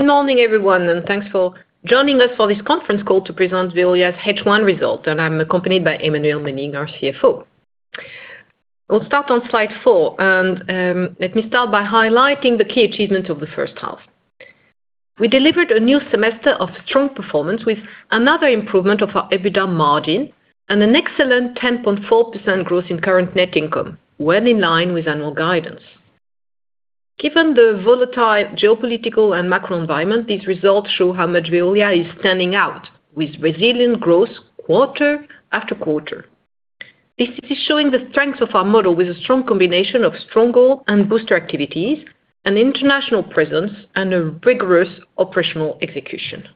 Good morning everyone. Thanks for joining us for this Conference Call to present Veolia's H1 Results. I am accompanied by Emmanuelle Menning, our CFO. We will start on slide four. Let me start by highlighting the key achievements of the first half. We delivered a new semester of strong performance with another improvement of our EBITDA margin and an excellent 10.4% growth in current net income, well in line with annual guidance. Given the volatile geopolitical and macro environment, these results show how much Veolia is standing out, with resilient growth quarter after quarter. This is showing the strength of our model with a strong combination of stronghold and booster activities, an international presence, and a rigorous operational execution.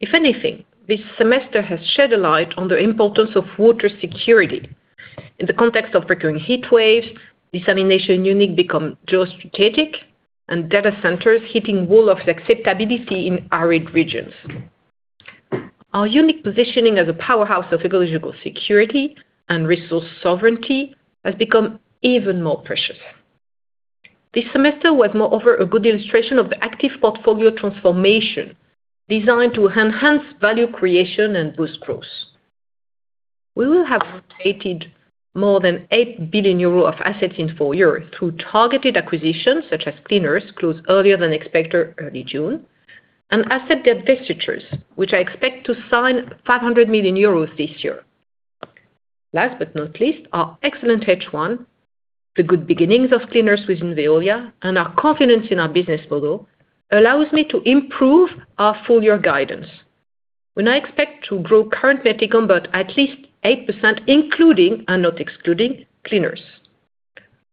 If anything, this semester has shed a light on the importance of water security. In the context of recurring heat waves, desalination units become geostrategic and data centers hitting wall of acceptability in arid regions. Our unique positioning as a powerhouse of ecological security and resource sovereignty has become even more precious. This semester was, moreover, a good illustration of the active portfolio transformation designed to enhance value creation and boost growth. We will have rotated more than 8 billion euro of assets in four years through targeted acquisitions such as Clean Earth, closed earlier than expected early June, and asset divestitures, which I expect to sign 500 million euros this year. Last but not least, our excellent H1, the good beginnings of Clean Earth within Veolia, and our confidence in our business model allows me to improve our full-year guidance, when I expect to grow current net income by at least 8%, including and not excluding Clean Earth.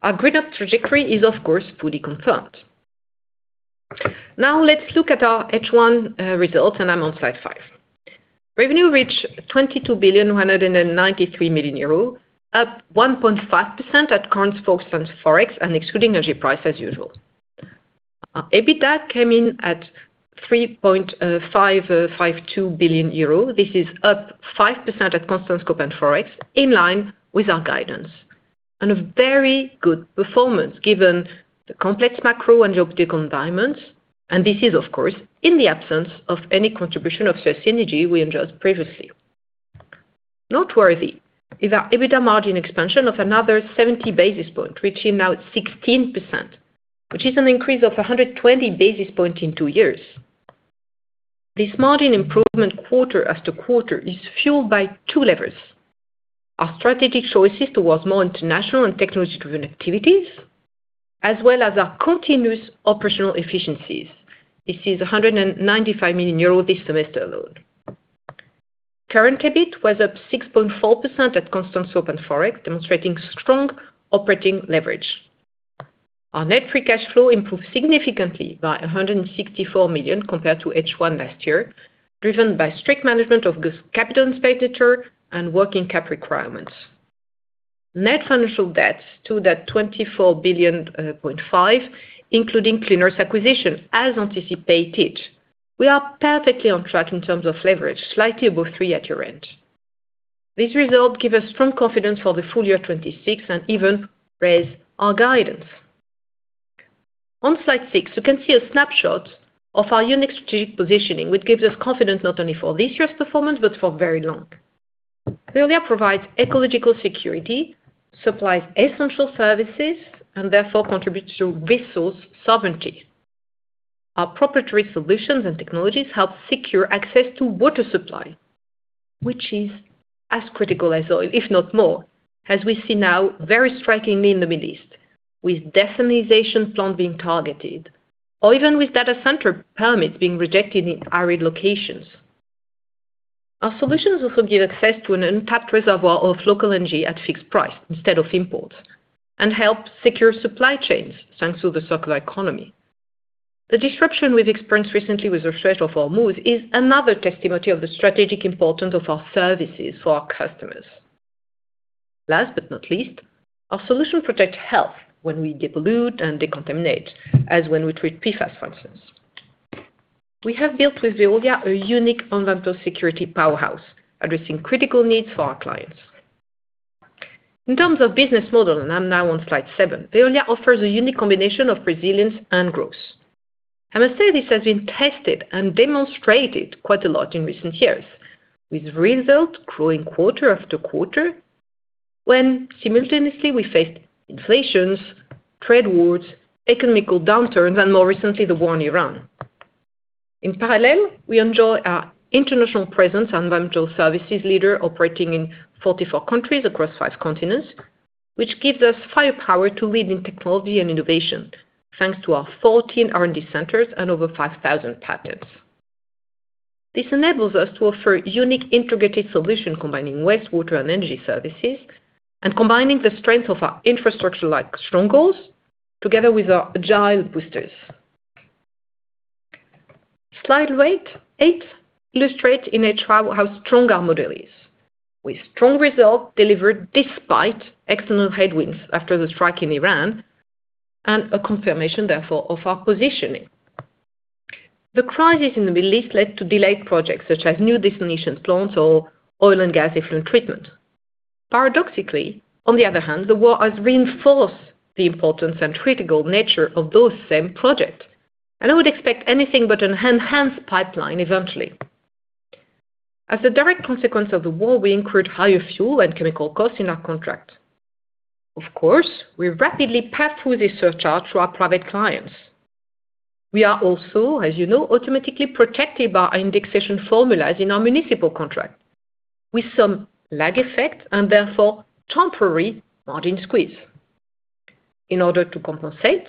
Our GreenUp trajectory is of course fully confirmed. Now let's look at our H1 results. I am on slide five. Revenue reached 22.193 billion, up 1.5% at constant scope and forex, excluding energy price as usual. Our EBITDA came in at 3.552 billion euro. This is up 5% at constant scope and forex, in line with our guidance. A very good performance given the complex macro and geopolitical environments, this is of course in the absence of any contribution of SUEZ synergy we enjoyed previously. Noteworthy is our EBITDA margin expansion of another 70 basis points, reaching now 16%, which is an increase of 120 basis points in two years. This margin improvement quarter after quarter is fueled by two levers. Our strategic choices towards more international and technology-driven activities, as well as our continuous operational efficiencies. This is 195 million euros this semester alone. Current EBIT was up 6.4% at constant scope and forex, demonstrating strong operating leverage. Our net free cash flow improved significantly by 164 million compared to H1 last year, driven by strict management of this capital expenditure and working capital requirements. Net financial debt stood at 24.5 billion including Clean Earth acquisition as anticipated. We are perfectly on track in terms of leverage, slightly above three at year-end. These results give us strong confidence for the full year 2026 and even raise our guidance. On slide six, you can see a snapshot of our unique strategic positioning, which gives us confidence not only for this year's performance, but for very long. Veolia provides ecological security, supplies essential services, and therefore contributes to resource sovereignty. Our proprietary solutions and technologies help secure access to water supply, which is as critical as oil, if not more, as we see now very strikingly in the Middle East with desalination plants being targeted or even with data center permits being rejected in arid locations. Our solutions also give access to an untapped reservoir of local energy at fixed price instead of imports, and help secure supply chains thanks to the circular economy. The disruption we've experienced recently with the threat of our moves is another testimony of the strategic importance of our services for our customers. Last but not least, our solutions protect health when we depollute and decontaminate, as when we treat PFAS, for instance. We have built with Veolia a unique environmental security powerhouse addressing critical needs for our clients. In terms of business model, and I'm now on slide seven, Veolia offers a unique combination of resilience and growth. I must say this has been tested and demonstrated quite a lot in recent years, with results growing quarter after quarter when simultaneously we faced inflations, trade wars, economical downturns, and more recently, the war in Iran. In parallel, we enjoy our international presence, environmental services leader operating in 44 countries across five continents, which gives us firepower to lead in technology and innovation thanks to our 14 R&D centers and over 5,000 patents. This enables us to offer unique integrated solutions combining wastewater and energy services, and combining the strength of our infrastructure like strongholds together with our agile boosters. Slide eight illustrates in H1 how strong our model is, with strong results delivered despite external headwinds after the strike in Iran and a confirmation therefore of our positioning. The crisis in the Middle East led to delayed projects such as new desalination plants or oil and gas effluent treatment. Paradoxically, on the other hand, the war has reinforced the importance and critical nature of those same projects, and I would expect anything but an enhanced pipeline eventually. As a direct consequence of the war, we incurred higher fuel and chemical costs in our contract. Of course, we rapidly passed through this surcharge to our private clients. We are also, as you know, automatically protected by indexation formulas in our municipal contract with some lag effect and therefore temporary margin squeeze. In order to compensate,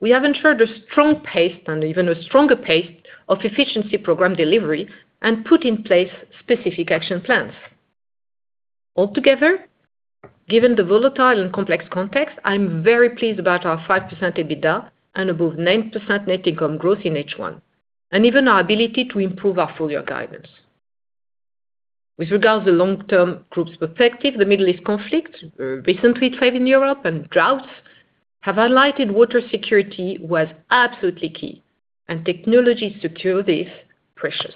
we have ensured a strong pace and even a stronger pace of efficiency program delivery and put in place specific action plans. Altogether, given the volatile and complex context, I'm very pleased about our 5% EBITDA and above 9% net income growth in H1, and even our ability to improve our full-year guidance. With regards to long-term group's perspective, the Middle East conflict, recent heat wave in Europe, and droughts have highlighted water security was absolutely key, and technology secure this precious.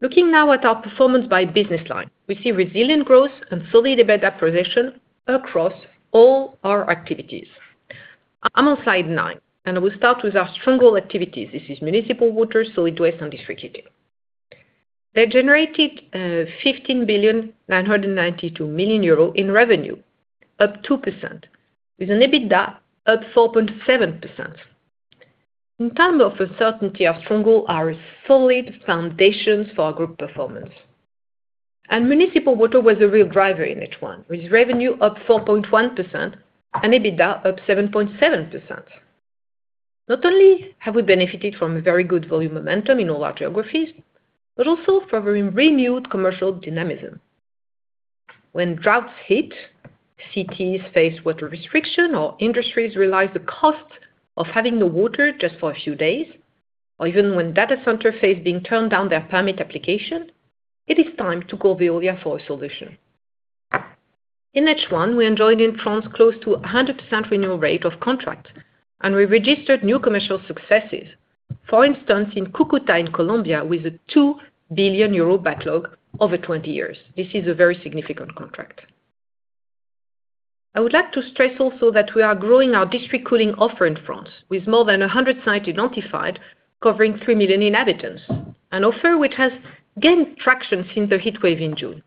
Looking now at our performance by business line, we see resilient growth and solid EBITDA progression across all our activities. I'm on slide nine, and we start with our stronghold activities. This is municipal water, solid waste, and district heating. They generated 15.992 billion in revenue, up 2%, with an EBITDA up 4.7%. In time of uncertainty, our stronghold are a solid foundations for our group performance. Municipal water was a real driver in H1, with revenue up 4.1% and EBITDA up 7.7%. Not only have we benefited from a very good volume momentum in all our geographies, but also from a renewed commercial dynamism. When droughts hit, cities face water restriction, or industries realize the cost of having no water just for a few days, or even when data center face being turned down their permit application, it is time to call Veolia for a solution. In H1, we enjoyed in France close to 100% renewal rate of contract, and we registered new commercial successes. For instance, in Cúcuta in Colombia with a 2 billion euro backlog over 20 years. This is a very significant contract. I would like to stress also that we are growing our district cooling offer in France with more than 100 sites identified, covering 3 million inhabitants. An offer which has gained traction since the heat wave in June.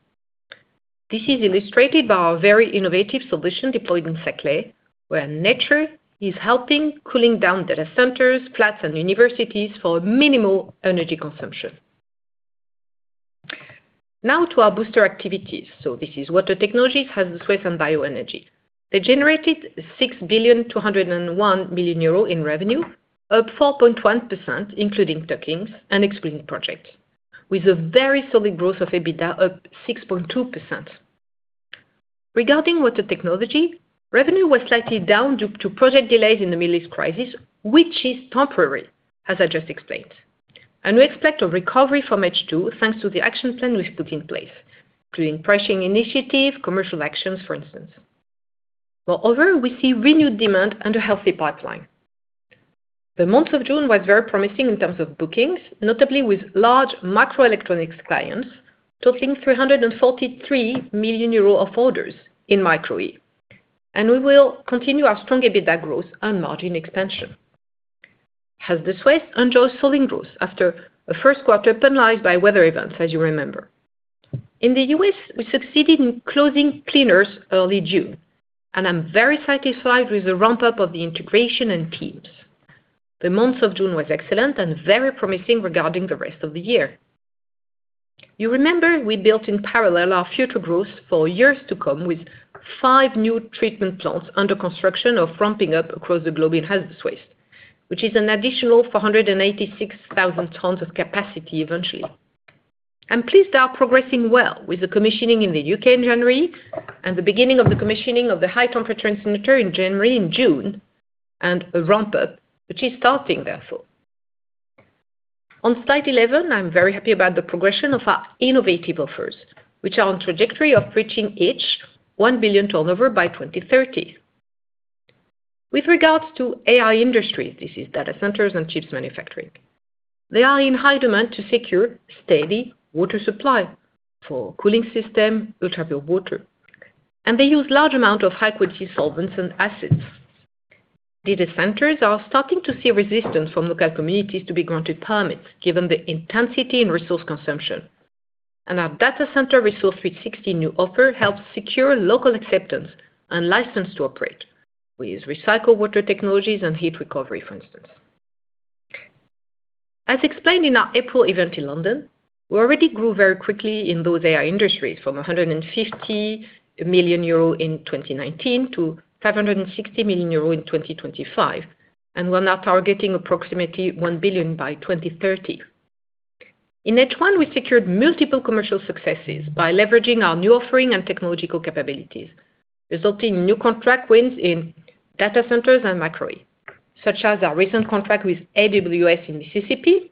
This is illustrated by our very innovative solution deployed in Saclay, where nature is helping cooling down data centers, flats, and universities for minimal energy consumption. Now to our booster activities. This is Water Technology, Hazardous Waste, and Bioenergy. They generated 6.201 billion in revenue, up 4.1%, including tuck-ins and excluding projects, with a very solid growth of EBITDA up 6.2%. Regarding Water Technology, revenue was slightly down due to project delays in the Middle East crisis, which is temporary, as I just explained. We expect a recovery from H2, thanks to the action plan we've put in place, including pricing initiative, commercial actions, for instance. Moreover, we see renewed demand and a healthy pipeline. The month of June was very promising in terms of bookings, notably with large microelectronics clients, totaling 343 million euro of orders in micro-e. We will continue our strong EBITDA growth and margin expansion. Hazardous waste enjoys solid growth after a first quarter penalized by weather events, as you remember. In the U.S., we succeeded in closing Clean Earth early June, and I'm very satisfied with the ramp-up of the integration and teams. The month of June was excellent and very promising regarding the rest of the year. You remember, we built in parallel our future growth for years to come with five new treatment plants under construction or ramping up across the globe in hazardous waste, which is an additional 486,000 tons of capacity eventually. I'm pleased they are progressing well with the commissioning in the U.K. in January and the beginning of the commissioning of the high temperature incinerator in June and a ramp-up, which is starting, therefore. On slide 11, I'm very happy about the progression of our innovative offers, which are on trajectory of reaching each 1 billion turnover by 2030. With regards to AI industry, this is data centers and chips manufacturing. They are in high demand to secure steady water supply for cooling system, ultrapure water. They use large amount of high-quality solvents and acids. Data centers are starting to see resistance from local communities to be granted permits given the intensity in resource consumption. Our Data Center Resource 360 new offer helps secure local acceptance and license to operate with recycled water technologies and heat recovery, for instance. As explained in our April event in London, we already grew very quickly in those AI industry from 150 million euro in 2019 to 560 million euro in 2025, we're now targeting approximately 1 billion by 2030. In H1, we secured multiple commercial successes by leveraging our new offering and technological capabilities, resulting new contract wins in data centers and micro-e, such as our recent contract with AWS in Mississippi,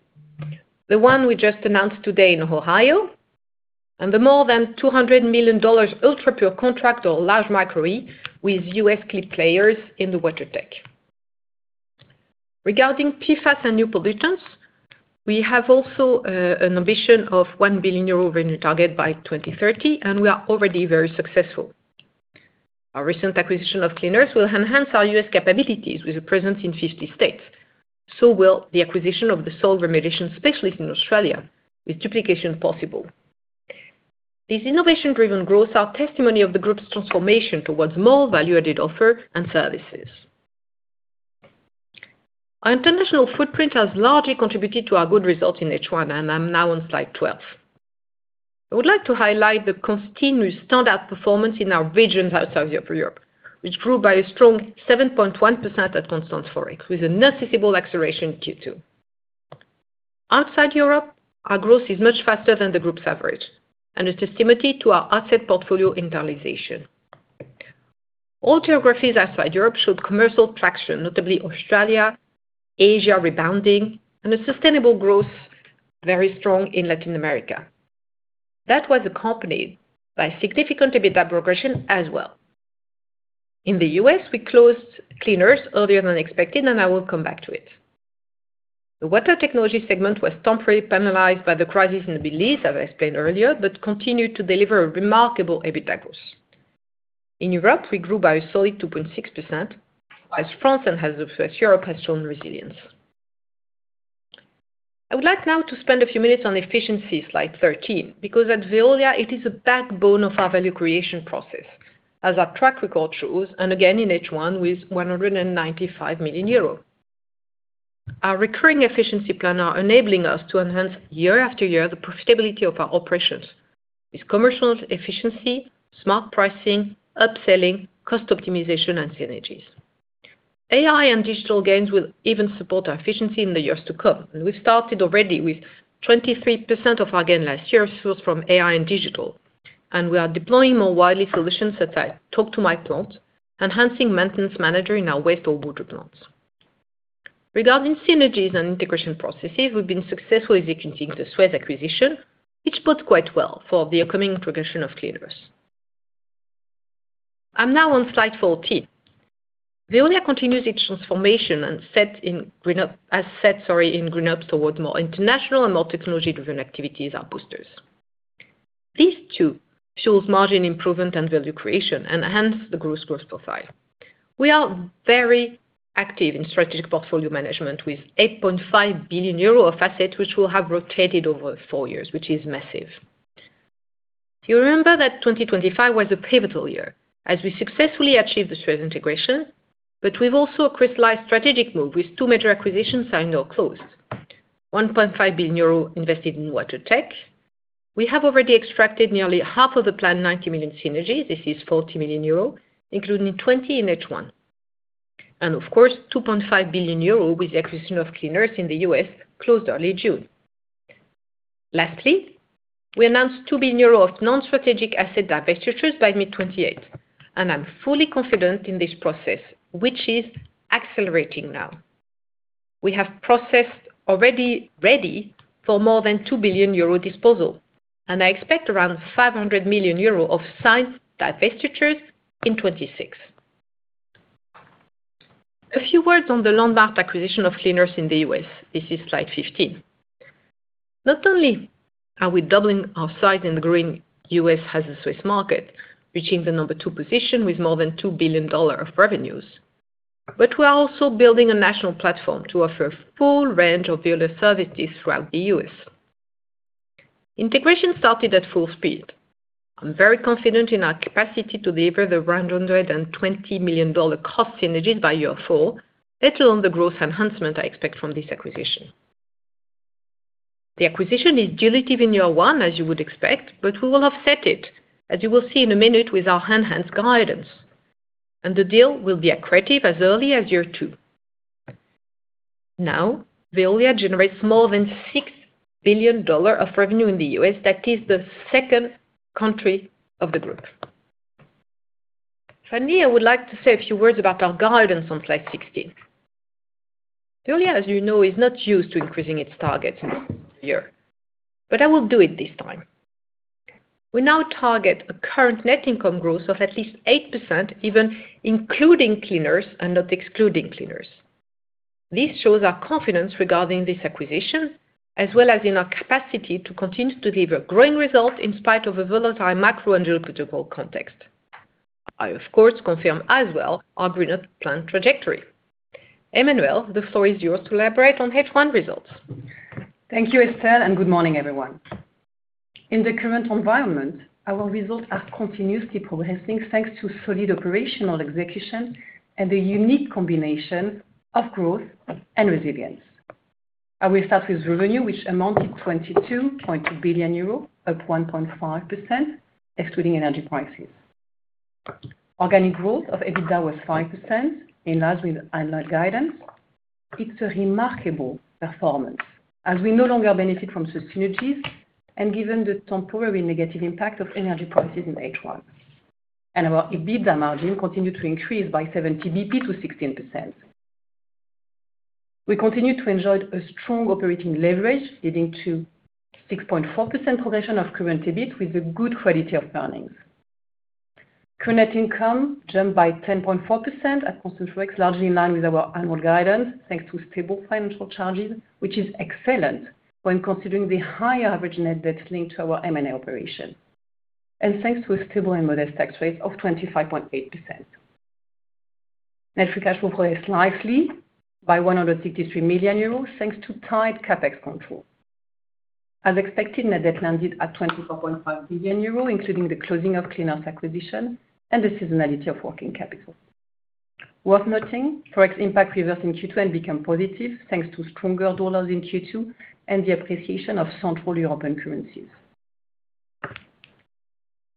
the one we just announced today in Ohio, and the more than EUR 200 million ultrapure contract or large micro with U.S. key players in the Water Tech. Regarding PFAS and new pollutants, we have also an ambition of 1 billion euro revenue target by 2030, and we are already very successful. Our recent acquisition of Clean Earth will enhance our U.S. capabilities with a presence in 50 states. So will the acquisition of the soil remediation specialist in Australia, with duplication possible. These innovation-driven growth are testimony of the group's transformation towards more value-added offer and services. Our international footprint has largely contributed to our good results in H1. I'm now on slide 12. I would like to highlight the continuous standout performance in our regions outside of Europe, which grew by a strong 7.1% at constant forex, with a noticeable acceleration in Q2. Outside Europe, our growth is much faster than the group's average and a testimony to our asset portfolio internationalization. All geographies outside Europe showed commercial traction, notably Australia, Asia rebounding, and a sustainable growth, very strong in Latin America. That was accompanied by significant EBITDA progression as well. In the U.S., we closed Clean Earth earlier than expected, and I will come back to it. The Water Technology segment was temporarily penalized by the crisis in Middle East, as I explained earlier, but continued to deliver a remarkable EBITDA growth. In Europe, we grew by a solid 2.6%, as France and hazardous Europe has shown resilience. I would like now to spend a few minutes on efficiency, slide 13, because at Veolia, it is a backbone of our value creation process as our track record shows, and again in H1 with 195 million euros. Our recurring efficiency plan are enabling us to enhance year after year the profitability of our operations with commercial efficiency, smart pricing, upselling, cost optimization, and synergies. AI and digital gains will even support our efficiency in the years to come. We've started already with 23% of our gain last year sourced from AI and digital, and we are deploying more widely solutions such as Talk to My Plant, enhancing maintenance manager in our waste or water plants. Regarding synergies and integration processes, we've been successfully executing the SUEZ acquisition, which bodes quite well for the upcoming integration of Clean Earth. I'm now on slide 14. Veolia continues its transformation as set in GreenUp toward more international and more technology-driven activities are boosters. These two shows margin improvement and value creation and enhance the group's growth profile. We are very active in strategic portfolio management with 8.5 billion euro of assets, which will have rotated over four years, which is massive. You remember that 2025 was a pivotal year as we successfully achieved the SUEZ integration, but we've also crystallized strategic move with two major acquisitions are now closed. 1.5 billion euro invested in Water Tech. We have already extracted nearly half of the planned 90 million synergy. This is 40 million euro, including 20 million in H1. Of course, 2.5 billion euro with the acquisition of Clean Earth in the U.S., closed early June. Lastly, we announced 2 billion euros of non-strategic asset divestitures by mid 2028, and I'm fully confident in this process, which is accelerating now. We have process already ready for more than 2 billion euro disposal. I expect around 500 million euro of signed divestitures in 2026. A few words on the landmark acquisition of Clean Earth in the U.S. This is slide 15. Not only are we doubling our size in the growing U.S. hazardous market, reaching the number two position with more than $2 billion of revenues, but we are also building a national platform to offer full range of Veolia services throughout the U.S. Integration started at full speed. I am very confident in our capacity to deliver the $120 million cost synergies by year four, let alone the growth enhancement I expect from this acquisition. The acquisition is dilutive in year one, as you would expect, but we will offset it, as you will see in a minute with our enhanced guidance. The deal will be accretive as early as year two. Veolia generates more than $6 billion of revenue in the U.S. That is the second country of the group. Finally, I would like to say a few words about our guidance on slide 16. Veolia, as you know, is not used to increasing its targets year, but I will do it this time. We now target a current net income growth of at least 8%, even including Clean Earth and not excluding Clean Earth. This shows our confidence regarding this acquisition, as well as in our capacity to continue to deliver growing results in spite of a volatile macro and geopolitical context. I, of course, confirm as well our GreenUp plan trajectory. Emmanuelle, the floor is yours to elaborate on H1 results. Thank you, Estelle. Good morning, everyone. In the current environment, our results are continuously progressing thanks to solid operational execution and the unique combination of growth and resilience. I will start with revenue, which amounted 22.2 billion euros, up 1.5%, excluding energy prices. Organic growth of EBITDA was 5%, in line with guidance. It is a remarkable performance as we no longer benefit from synergies, given the temporary negative impact of energy prices in H1. Our EBITDA margin continued to increase by 70 basis points to 16%. We continue to enjoy a strong operating leverage, leading to 6.4% progression of current EBIT with a good quality of earnings. Current income jumped by 10.4% at constant forex, largely in line with our annual guidance, thanks to stable financial charges, which is excellent when considering the higher average net debt linked to our M&A operation. Thanks to a stable and modest tax rate of 25.8%. Net free cash flow grew slightly by 163 million euros, thanks to tight CapEx control. As expected, net debt landed at 24.5 billion euros, including the closing of Clean Earth acquisition and the seasonality of working capital. Worth noting, forex impact reversed in Q2 and became positive, thanks to stronger dollars in Q2 and the appreciation of Central European currencies.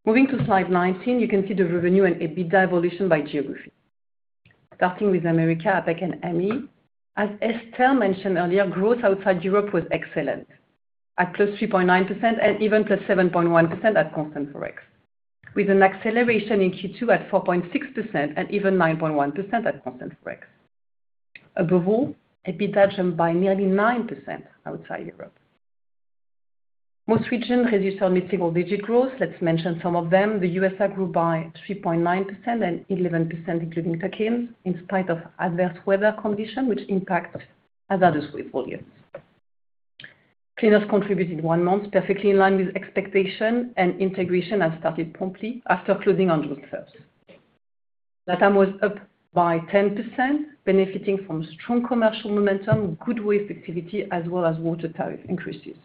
Moving to slide 19, you can see the revenue and EBITDA evolution by geography. Starting with America, APAC, and ME. As Estelle mentioned earlier, growth outside Europe was excellent, at +3.9% and even +7.1% at constant forex, with an acceleration in Q2 at 4.6% and even 9.1% at constant forex. Above all, EBITDA jumped by nearly 9% outside Europe. Most regions registered mid-single digit growth. Let's mention some of them. The U.S. had grew by 3.9% and 11%, including tuck-ins, in spite of adverse weather conditions, which impact hazardous waste volumes. Clean Earth contributed one month, perfectly in line with expectation, and integration has started promptly after closing on June 1st. LATAM was up by 10%, benefiting from strong commercial momentum, good waste activity, as well as water tariff increases.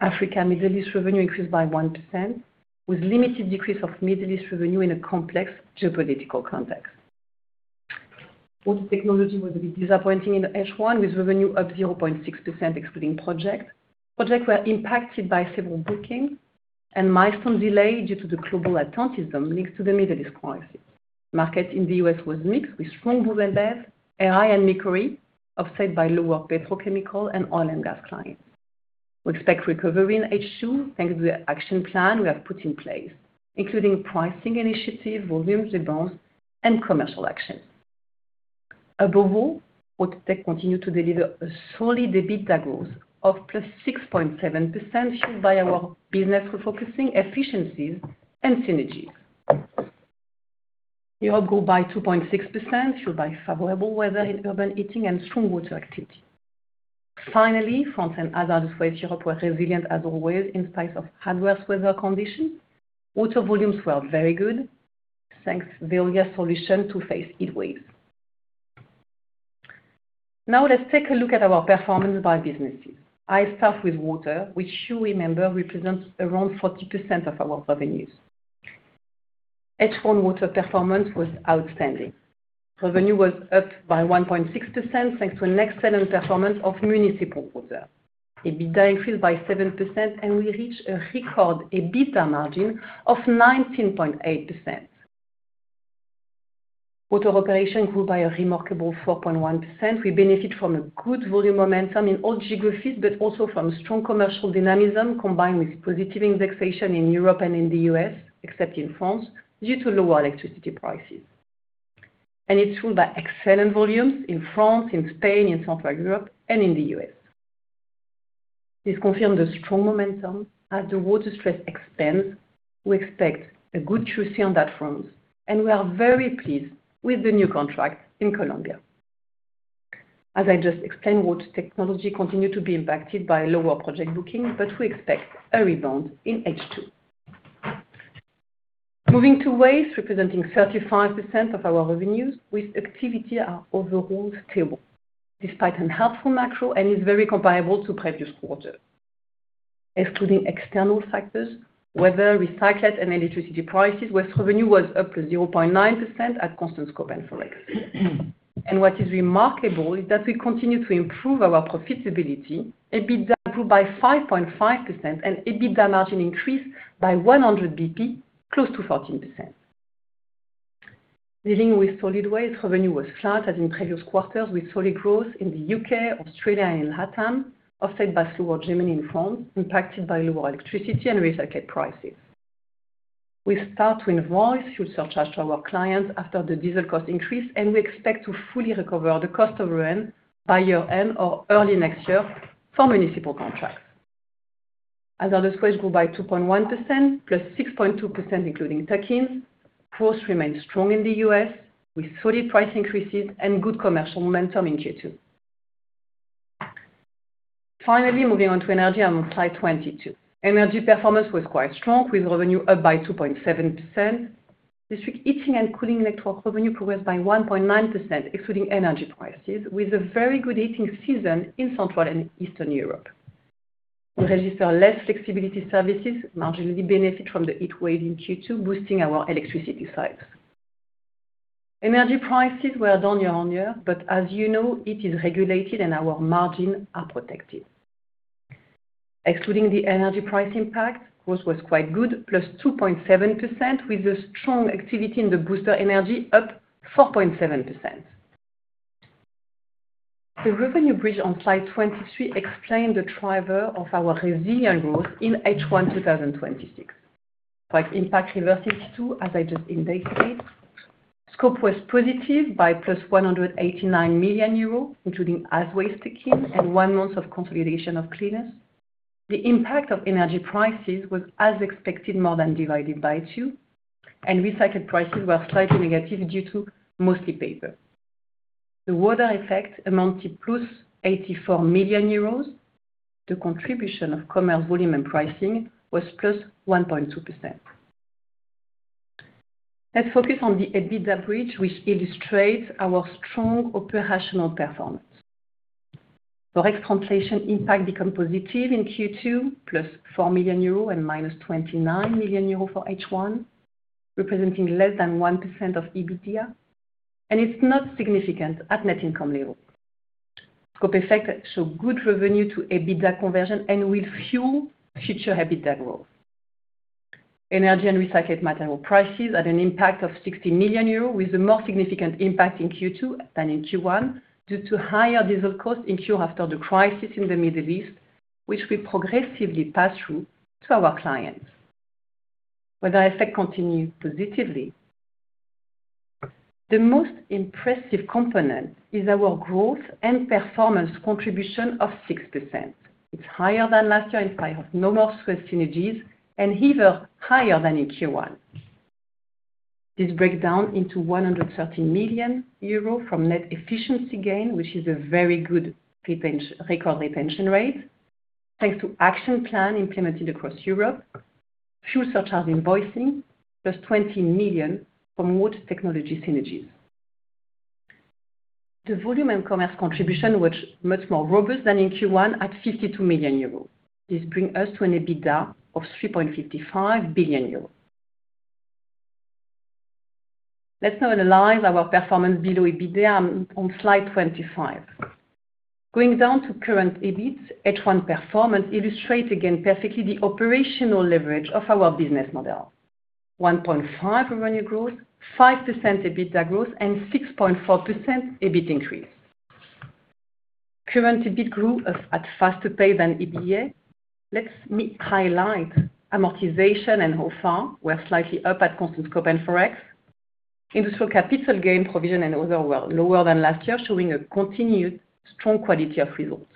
Africa, Middle East revenue increased by 1%, with limited decrease of Middle East revenue in a complex geopolitical context. Water Technology was a bit disappointing in H1, with revenue up 0.6%, excluding projects. Projects were impacted by several bookings and milestone delay due to the global attentism linked to the Middle East crisis. Market in the U.S. was mixed, with strong Bases and Acids, AI, and mercury offset by lower petrochemical and oil and gas clients. We expect recovery in H2, thanks to the action plan we have put in place, including pricing initiative, volumes rebounds, and commercial action. Above all, Water Tech continued to deliver a solid EBITDA growth of +6.7%, fueled by our business refocusing efficiencies and synergies. Europe grew by 2.6%, fueled by favorable weather in district heating and strong water activity. Finally, France and other Europe were resilient as always, in spite of adverse weather conditions. Water volumes were very good thanks to Veolia's solution to face heat waves. Now let's take a look at our performance by businesses. I start with water, which you remember represents around 40% of our revenues. H1 water performance was outstanding. Revenue was up by 1.6% thanks to an excellent performance of municipal water. EBITDA increased by 7% and we reached a record EBITDA margin of 19.8%. Water operation grew by a remarkable 4.1%. We benefit from a good volume momentum in all geographies, but also from strong commercial dynamism combined with positive indexation in Europe and in the U.S., except in France, due to lower electricity prices. And it's fueled by excellent volumes in France, in Spain, in Central Europe, and in the U.S. This confirms the strong momentum. As the water stress expands, we expect a good treasury on that front, and we are very pleased with the new contract in Colombia. As I just explained, Water Technology continued to be impacted by lower project bookings, but we expect a rebound in H2. Moving to waste, representing 35% of our revenues. Waste activity are overall stable, despite unhelpful macro and is very comparable to previous quarters. Excluding external factors, weather, recycled and electricity prices, waste revenue was up 0.9% at constant scope and forex. What is remarkable is that we continue to improve our profitability. EBITDA grew by 5.5% and EBITDA margin increased by 100 basis points close to 14%. Dealing with solid waste revenue was flat as in previous quarters, with solid growth in the U.K., Australia, and LATAM, offset by slower Germany and France, impacted by lower electricity and recycled prices. We start to invoice fuel surcharge to our clients after the diesel cost increase. We expect to fully recover the cost overrun by year-end or early next year for municipal contracts. Other scopes grew by 2.1%, +6.2%, including take-ins. Growth remains strong in the U.S. with solid price increases and good commercial momentum in Q2. Moving on to energy on slide 22. Energy performance was quite strong, with revenue up by 2.7%. District heating and cooling network revenue progressed by 1.9%, excluding energy prices, with a very good heating season in Central and Eastern Europe. We register less flexibility services marginally benefit from the heat wave in Q2, boosting our electricity sites. Energy prices were down year-on-year, but as you know, it is regulated and our margin are protected. Excluding the energy price impact, growth was quite good, +2.7%, with a strong activity in the booster energy up 4.7%. The revenue bridge on slide 23 explain the driver of our resilient growth in H1 2026. Price impact reversed in Q2, as I just indicated. Scope was positive by +189 million euros, including as waste take-ins and one month of consolidation of Clean Earth. The impact of energy prices was as expected, more than divided by two, and recycled prices were slightly negative due to mostly paper. The water effect amounted +84 million euros. The contribution of commercial volume and pricing was +1.2%. Let's focus on the EBITDA bridge, which illustrates our strong operational performance. Forex translation impact become positive in Q2, +4 million euro and -29 million euro for H1, representing less than 1% of EBITDA. It's not significant at net income level. Scope effects show good revenue to EBITDA conversion and will fuel future EBITDA growth. Energy and recycled material prices had an impact of 60 million euros, with a more significant impact in Q2 than in Q1 due to higher diesel costs in Q after the crisis in the Middle East, which we progressively pass through to our clients. Weather effect continue positively. The most impressive component is our growth and performance contribution of 6%. It's higher than last year in spite of no more SUEZ synergies, and even higher than in Q1. This break down into 130 million euros from net efficiency gain, which is a very good record pension rate thanks to action plan implemented across Europe. Fuel surcharge invoicing, +20 million from Water Technology synergies. The volume and commerce contribution was much more robust than in Q1 at 52 million euros. This bring us to an EBITDA of 3.55 billion euros. Let's now analyze our performance below EBITDA on slide 25. Going down to current EBIT, H1 performance illustrate again perfectly the operational leverage of our business model. 1.5% revenue growth, 5% EBITDA growth, and 6.4% EBIT increase. Current EBIT grew at faster pace than EBITDA. Let's highlight amortization and [inaudible] were slightly up at constant scope and forex. Industrial capital gain provision and other were lower than last year, showing a continued strong quality of results.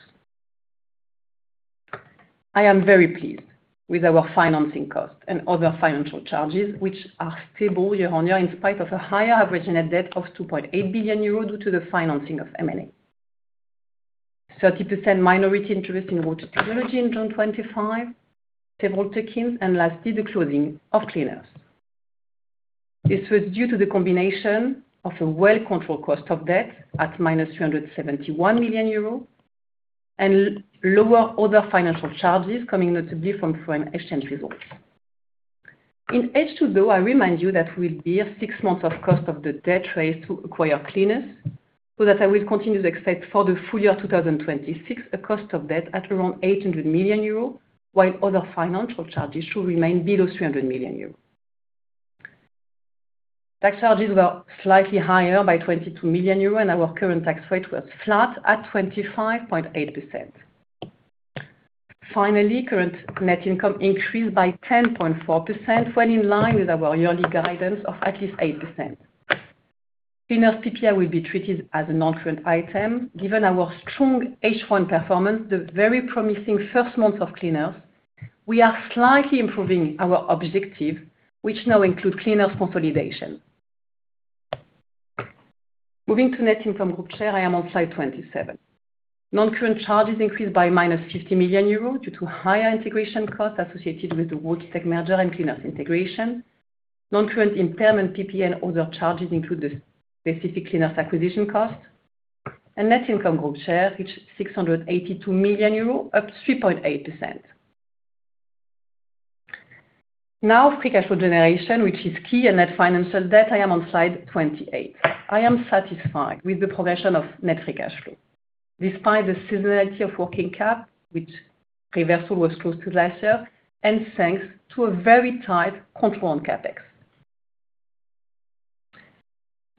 I am very pleased with our financing cost and other financial charges, which are stable year-on-year in spite of a higher average net debt of 2.8 billion euros due to the financing of M&A. 30% minority interest in Water Technology on June 25, several take-ins, and lastly, the closing of Clean Earth. This was due to the combination of a well-controlled cost of debt at -371 million euros and lower other financial charges, coming notably from foreign exchange results. In H2, though, I remind you that we'll bear six months of cost of the debt raised to acquire Clean Earth, so that I will continue to expect for the full year 2026 a cost of debt at around 800 million euros, while other financial charges should remain below 300 million euros. Tax charges were slightly higher by 22 million euros, and our current tax rate was flat at 25.8%. Finally, current net income increased by 10.4%, well in line with our yearly guidance of at least 8%. Clean Earth PPA will be treated as a non-current item. Given our strong H1 performance, the very promising first month of Clean Earth, we are slightly improving our objective, which now include Clean Earth consolidation. Moving to net income group share, I'm on slide 27. Non-current charges increased by -50 million euros due to higher integration costs associated with the Water Tech merger and Clean Earth integration. Non-current impairment, PPA, other charges include the specific Clean Earth acquisition cost. Net income group share reached 682 million euros, up 3.8%. Now, free cash flow generation, which is key, and net financial debt. I'm on slide 28. I'm satisfied with the progression of net free cash flow. Despite the seasonality of working cap, which reversal was close to last year, and thanks to a very tight control on CapEx.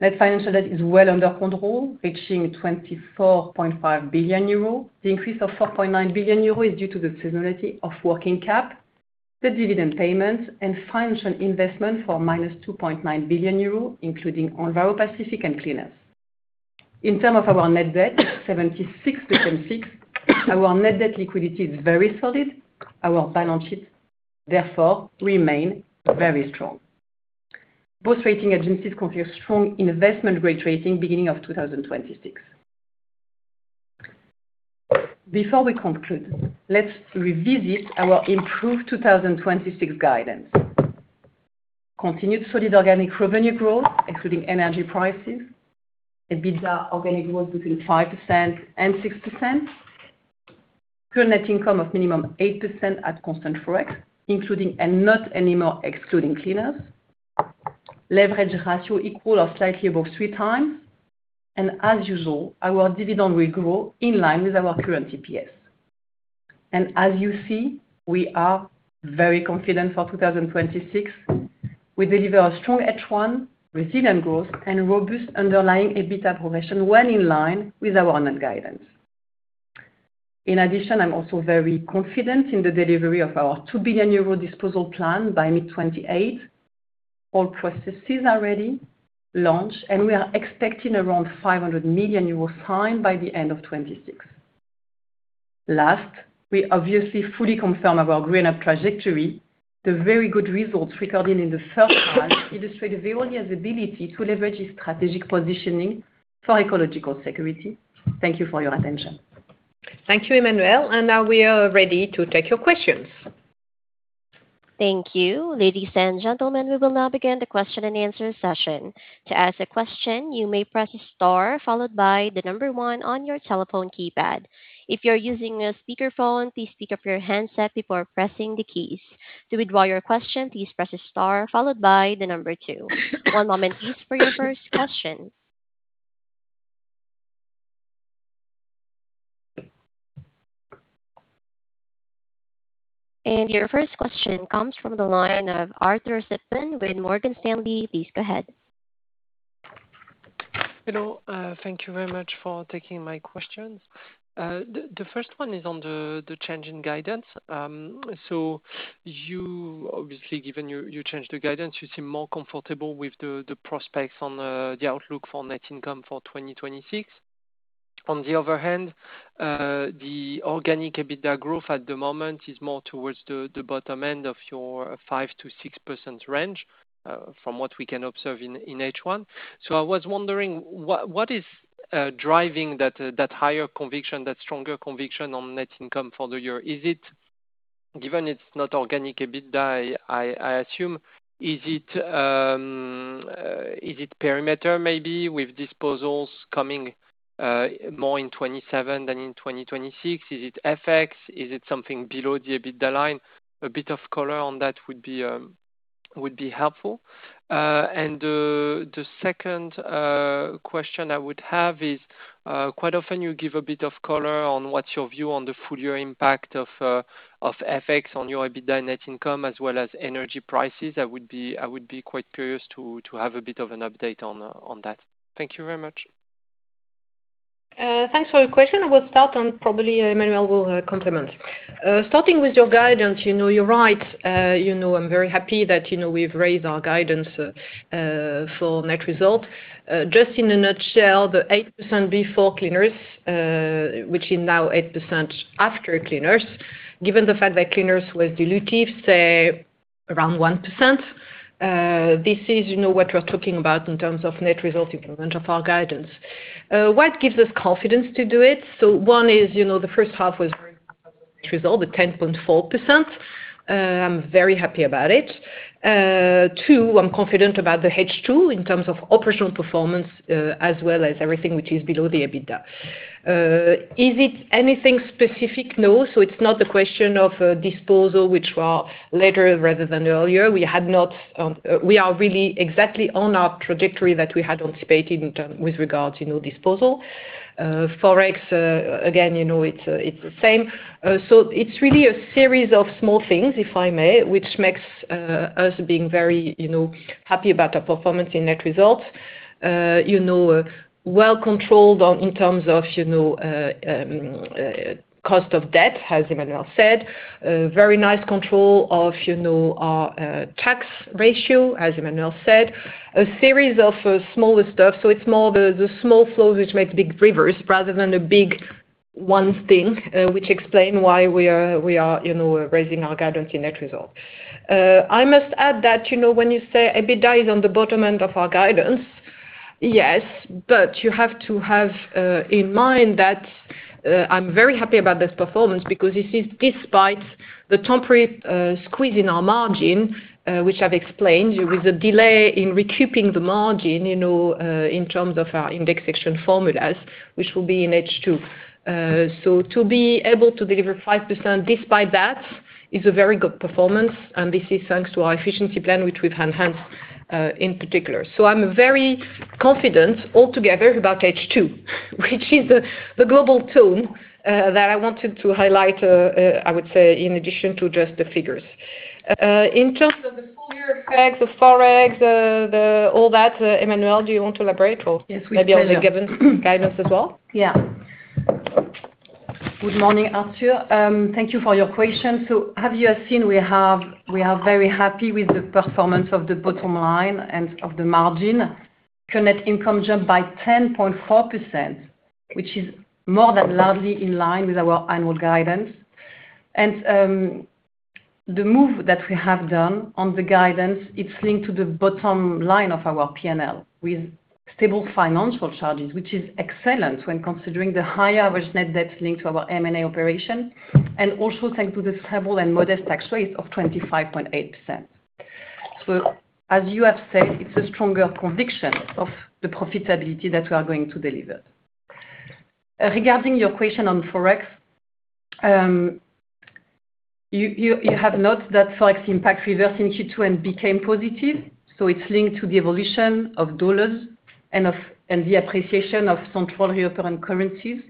Net financial debt is well under control, reaching 24.5 billion euros. The increase of 4.9 billion euros is due to the seasonality of working cap, the dividend payments, and financial investment for -2.9 billion euro, including Enviropacific and Clean Earth. In term of our net debt, 76.6, our net debt liquidity is very solid. Our balance sheets, therefore, remain very strong. Both rating agencies confirm strong investment-grade rating beginning of 2026. Before we conclude, let's revisit our improved 2026 guidance. Continued solid organic revenue growth, excluding energy prices. EBITDA organic growth between 5% and 6%. Current net income of minimum 8% at constant forex, including and not anymore excluding Clean Earth. Leverage ratio equal or slightly above three times. As usual, our dividend will grow in line with our current EPS. As you see, we are very confident for 2026. We deliver a strong H1, resilient growth, and robust underlying EBITDA progression well in line with our net guidance. In addition, I'm also very confident in the delivery of our 2 billion euro disposal plan by mid 2028. All processes are ready, launch, and we are expecting around 500 million euros signed by the end of 2026. Last, we obviously fully confirm our GreenUp trajectory. The very good results recorded in the first half illustrate Veolia's ability to leverage its strategic positioning for ecological security. Thank you for your attention. Thank you, Emmanuelle. Now we are ready to take your questions. Thank you. Ladies and gentlemen, we will now begin the question and answer session. To ask a question, you may press star followed by the number one on your telephone keypad. If you're using a speakerphone, please pick up your handset before pressing the keys. To withdraw your question, please press star followed by the number two. One moment please for your first question. Your first question comes from the line of Arthur Sitbon with Morgan Stanley. Please go ahead. Hello. Thank you very much for taking my questions. The first one is on the change in guidance. You obviously, given you changed the guidance, you seem more comfortable with the prospects on the outlook for net income for 2026. On the other hand, the organic EBITDA growth at the moment is more towards the bottom end of your 5%-6% range, from what we can observe in H1. I was wondering, what is driving that higher conviction, that stronger conviction on net income for the year? Given it's not organic EBITDA, I assume, is it perimeter maybe with disposals coming more in 2027 than in 2026? Is it FX? Is it something below the EBITDA line? A bit of color on that would be helpful. The second question I would have is, quite often you give a bit of color on what's your view on the full year impact of FX on your EBITDA net income as well as energy prices. I would be quite curious to have a bit of an update on that. Thank you very much. Thanks for your question. We'll start and probably Emmanuelle will complement. Starting with your guidance. You're right, I'm very happy that we've raised our guidance for net result. Just in a nutshell, the 8% before Clean Earth, which is now 8% after Clean Earth. Given the fact that Clean Earth was dilutive, say around 1%, this is what we're talking about in terms of net result improvement of our guidance. What gives us confidence to do it? One is, the first half was very good result with 10.4%. I'm very happy about it. Two, I'm confident about the H2 in terms of operational performance, as well as everything which is below the EBITDA. Is it anything specific? No. It's not the question of disposal, which were later rather than earlier. We are really exactly on our trajectory that we had anticipated with regards to disposal. forex, again, it's the same. It's really a series of small things, if I may, which makes us being very happy about our performance in net results. Well controlled in terms of cost of debt, as Emmanuelle said. Very nice control of our tax ratio, as Emmanuelle said. A series of smaller stuff. It's more the small flow which makes big rivers rather than a big one thing, which explain why we are raising our guidance in net results. I must add that, when you say EBITDA is on the bottom end of our guidance, yes, but you have to have in mind that I'm very happy about this performance because this is despite the temporary squeeze in our margin, which I've explained, with the delay in recouping the margin, in terms of our indexation formulas, which will be in H2. To be able to deliver 5% despite that is a very good performance, and this is thanks to our efficiency plan, which we've enhanced, in particular. I'm very confident altogether about H2, which is the global tone that I wanted to highlight, I would say, in addition to just the figures. In terms of the full year effects of forex, all that, Emmanuelle, do you want to elaborate or- Yes, with pleasure. maybe given guidance as well? Yeah. Good morning, Arthur. Thank you for your question. As you have seen, we are very happy with the performance of the bottom line and of the margin. Net income jumped by 10.4%, which is more than largely in line with our annual guidance. The move that we have done on the guidance, it is linked to the bottom line of our P&L. With stable financial charges, which is excellent when considering the higher average net debt linked to our M&A operation, and also thanks to the stable and modest tax rate of 25.8%. As you have said, it is a stronger conviction of the profitability that we are going to deliver. Regarding your question on forex. You have noted that forex impact reversed in Q2 and became positive, so it is linked to the evolution of dollars and the appreciation of some foreign currencies.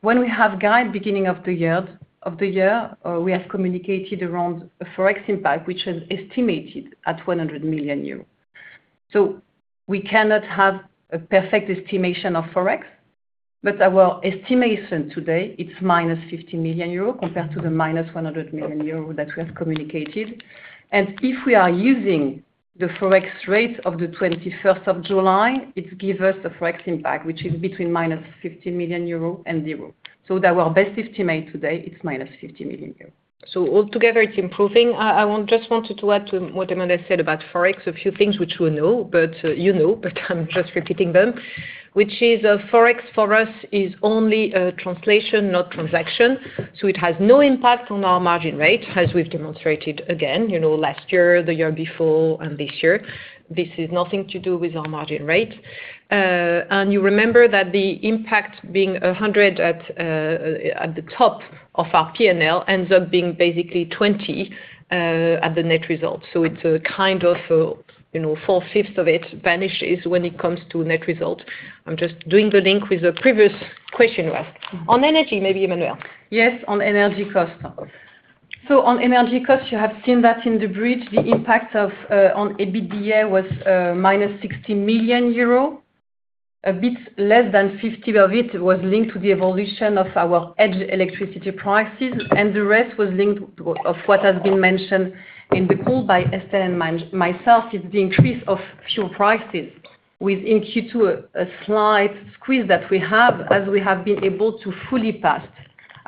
When we have guide beginning of the year, we have communicated around a forex impact which was estimated at 100 million euros. We cannot have a perfect estimation of forex, but our estimation today, it is -50 million euros compared to the -100 million euros that we have communicated. If we are using the forex rate of the 21st of July, it give us the forex impact, which is between -50 million euro and zero. That our best estimate today is -50 million euro. Altogether, it is improving. I just wanted to add to what Emmanuelle said about forex, a few things which we know, but you know, but I am just repeating them. Which is, forex for us is only a translation, not transaction, so it has no impact on our margin rate, as we have demonstrated again, last year, the year before, and this year. This is nothing to do with our margin rate. You remember that the impact being 100 million at the top of our P&L ends up being basically 20 million at the net result. It is kind of four-fifths of it vanishes when it comes to net result. I am just doing the link with the previous question you asked. On energy, maybe Emmanuelle. Yes, on energy cost. On energy cost, you have seen that in the bridge, the impact on EBITDA was -60 million euro. A bit less than 50 of it was linked to the evolution of our edge electricity prices, the rest was linked, of what has been mentioned in the call by Estelle and myself, is the increase of fuel prices within Q2, a slight squeeze that we have, as we have been able to fully pass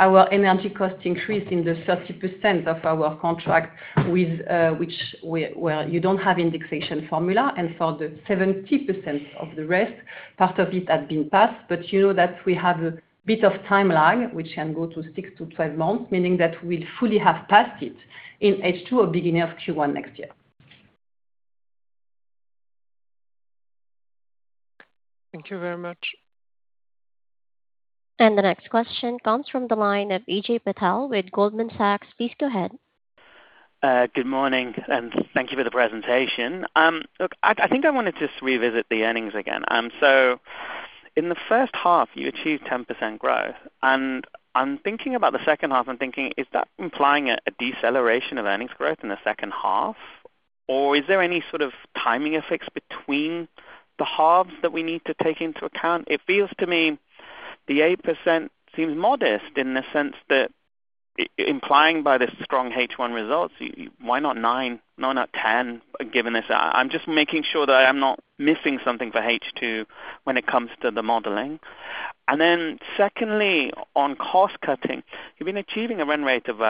our energy cost increase in the 30% of our contract where you don't have indexation formula. For the 70% of the rest, part of it had been passed. You know that we have a bit of timeline, which can go to 6 to 12 months, meaning that we'll fully have passed it in H2 or beginning of Q1 next year. Thank you very much. The next question comes from the line of Ajay Patel with Goldman Sachs. Please go ahead. Good morning, and thank you for the presentation. Look, I think I want to just revisit the earnings again. In the first half, you achieved 10% growth. I'm thinking about the second half, I'm thinking, is that implying a deceleration of earnings growth in the second half, or is there any sort of timing effects between the halves that we need to take into account? It feels to me the 8% seems modest in the sense that implying by the strong H1 results, why not nine? Why not 10? I'm just making sure that I'm not missing something for H2 when it comes to the modeling. Secondly, on cost-cutting, you've been achieving a run rate of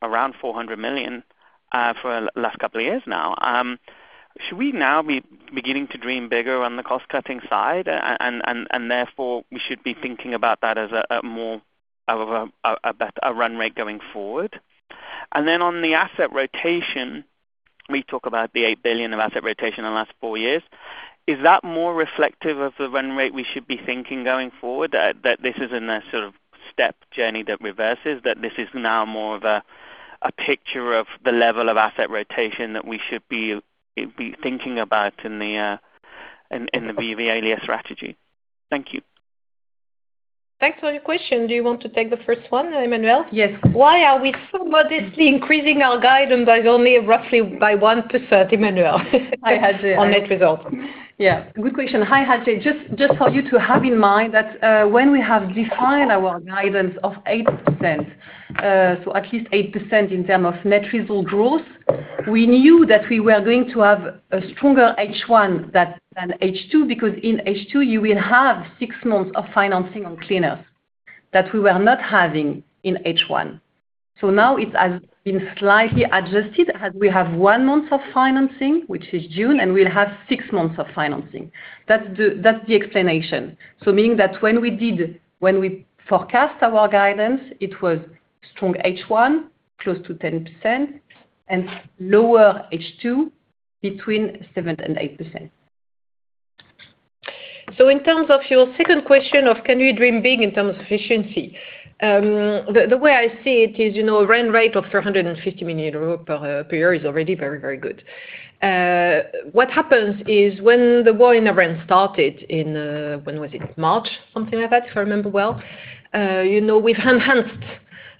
around 400 million for the last couple of years now. Should we now be beginning to dream bigger on the cost-cutting side, therefore we should be thinking about that as a run rate going forward? Then on the asset rotation, we talk about the 8 billion of asset rotation in the last four years. Is that more reflective of the run rate we should be thinking going forward, that this isn't a sort of step journey that reverses, that this is now more of a picture of the level of asset rotation that we should be thinking about in the Veolia strategy? Thank you. Thanks for your question. Do you want to take the first one, Emmanuelle? Yes. Why are we so modestly increasing our guidance by only roughly by 1%, Emmanuelle, on net results? Yeah. Good question. Hi, Ajay. Just for you to have in mind that when we have defined our guidance of 8%, at least 8% in terms of net result growth, we knew that we were going to have a stronger H1 than H2, because in H2, you will have six months of financing on Clean Earth that we were not having in H1. Now it has been slightly adjusted as we have one month of financing, which is June, and we'll have six months of financing. That's the explanation. Meaning that when we forecast our guidance, it was strong H1, close to 10%, and lower H2 between 7% and 8%. In terms of your second question of can we dream big in terms of efficiency? The way I see it is, a run rate of 350 million euros per year is already very, very good. What happens is when the war in Ukraine started in, when was it? March, something like that, if I remember well. We've enhanced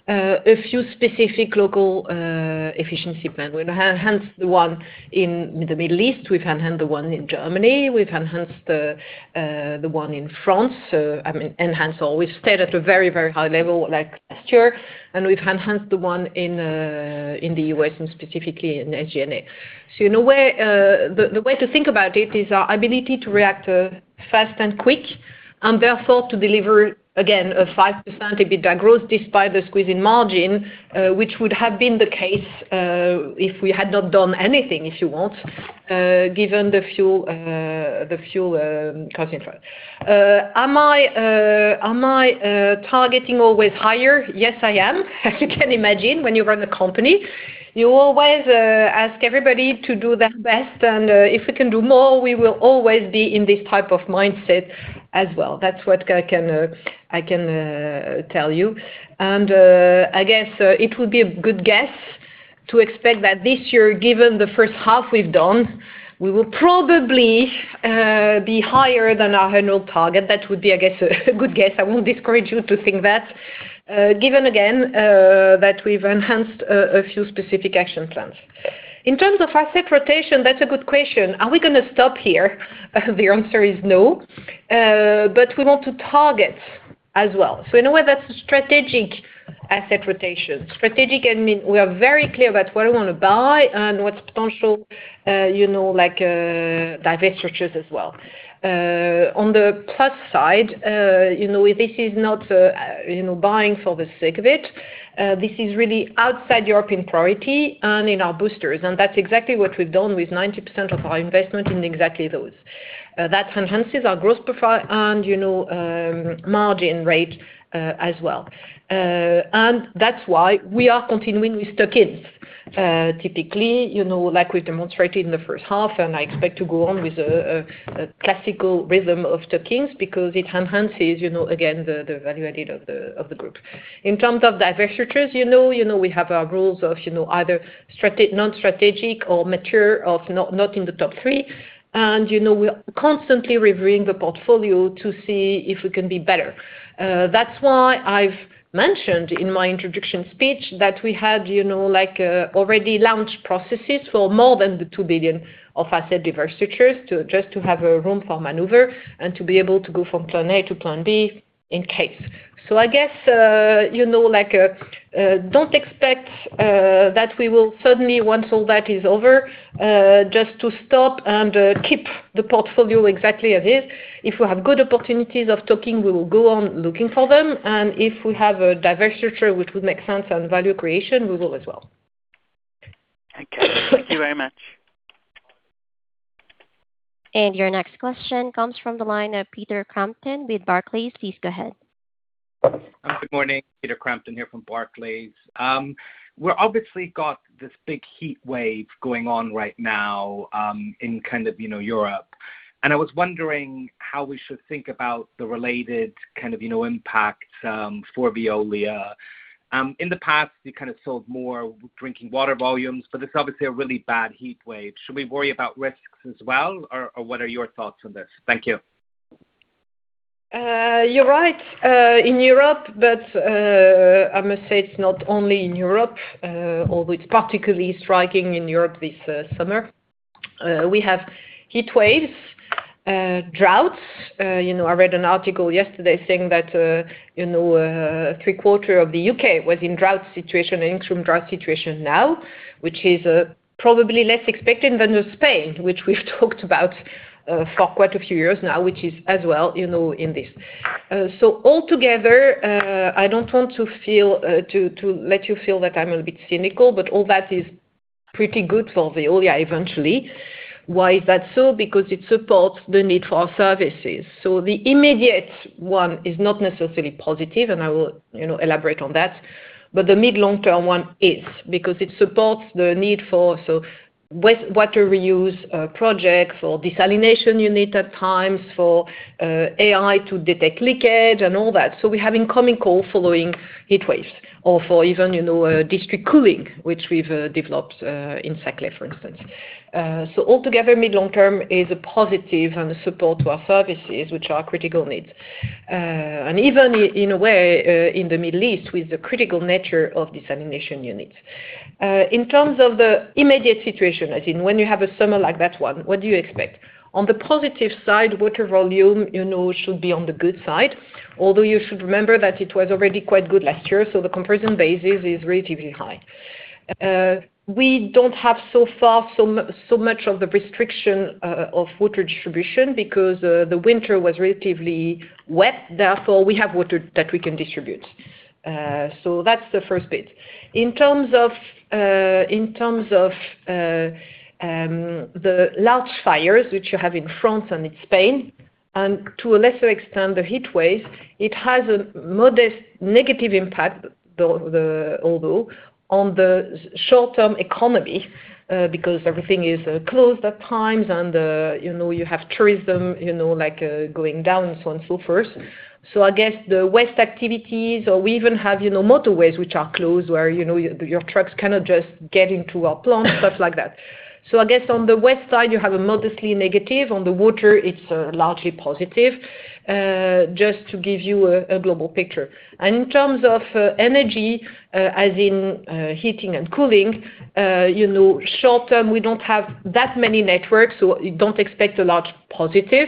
a few specific local efficiency plan. We've enhanced the one in the Middle East, we've enhanced the one in Germany, we've enhanced the one in France. I mean, enhanced, we've stayed at a very, very high level, like last year, and we've enhanced the one in the U.S. and specifically in SG&A. The way to think about it is our ability to react fast and quick, and therefore to deliver, again, a 5% EBITDA growth despite the squeeze in margin, which would have been the case, if we had not done anything, if you want, given the fuel cost increase. Am I targeting always higher? Yes, I am. As you can imagine, when you run a company, you always ask everybody to do their best. If we can do more, we will always be in this type of mindset as well. That's what I can tell you. I guess, it would be a good guess to expect that this year, given the first half we've done, we will probably be higher than our annual target. That would be, I guess, a good guess. I won't discourage you to think that. Given again that we've enhanced a few specific action plans. In terms of asset rotation, that's a good question. Are we going to stop here? The answer is no, but we want to target as well. In a way, that's a strategic asset rotation. Strategic and we are very clear about what we want to buy and what's potential, like divestitures as well. On the plus side, this is not buying for the sake of it. This is really outside European priority and in our boosters, and that's exactly what we've done with 90% of our investment in exactly those. That enhances our growth profile and margin rate as well. That's why we are continuing with tuck-ins. Typically, like we demonstrated in the first half, I expect to go on with a classical rhythm of tuck-ins because it enhances, again, the value added of the group. In terms of divestitures, we have our rules of either non-strategic or mature of not in the top three, and we're constantly reviewing the portfolio to see if we can be better. That's why I've mentioned in my introduction speech that we had already launched processes for more than the 2 billion of asset divestitures just to have a room for maneuver and to be able to go from plan A to plan B in case. I guess, don't expect that we will suddenly, once all that is over, just to stop and keep the portfolio exactly as is. If we have good opportunities of token, we will go on looking for them, and if we have a divestiture, which would make sense and value creation, we will as well. Okay. Thank you very much. Your next question comes from the line of Peter Crampton with Barclays. Please go ahead. Good morning, Peter Crampton here from Barclays. We are obviously got this big heat wave going on right now in Europe. I was wondering how we should think about the related kind of impact for Veolia. In the past, you kind of sold more drinking water volumes, but it is obviously a really bad heat wave. Should we worry about risks as well, or what are your thoughts on this? Thank you. You are right. In Europe, but I must say it is not only in Europe, although it is particularly striking in Europe this summer. We have heat waves, droughts. I read an article yesterday saying that three quarter of the U.K. was in drought situation and in some drought situation now, which is probably less expected than Spain, which we have talked about for quite a few years now, which is as well in this. Altogether, I do not want to let you feel that I am a bit cynical, but all that is pretty good for Veolia eventually. Why is that so? Because it supports the need for our services. The immediate one is not necessarily positive, and I will elaborate on that. But the mid, long-term one is because it supports the need for water reuse projects or desalination unit at times for AI to detect leakage and all that. We have incoming call following heatwaves or for even district cooling, which we've developed in Saclay, for instance. Altogether, mid-long-term is a positive and a support to our services, which are critical needs. Even in a way, in the Middle East, with the critical nature of desalination units. In terms of the immediate situation, as in when you have a summer like that one, what do you expect? On the positive side, water volume should be on the good side, although you should remember that it was already quite good last year, so the comparison basis is relatively high. We don't have so far so much of the restriction of water distribution because the winter was relatively wet, therefore, we have water that we can distribute. That's the first bit. In terms of the large fires which you have in France and in Spain, to a lesser extent, the heat waves, it has a modest negative impact, although on the short-term economy, because everything is closed at times and you have tourism going down so on so forth. I guess the waste activities or we even have motorways which are closed where your trucks cannot just get into our plant, stuff like that. I guess on the waste side, you have a modestly negative. On the water, it's largely positive. Just to give you a global picture. In terms of energy, as in heating and cooling, short-term, we don't have that many networks, we don't expect a large positive,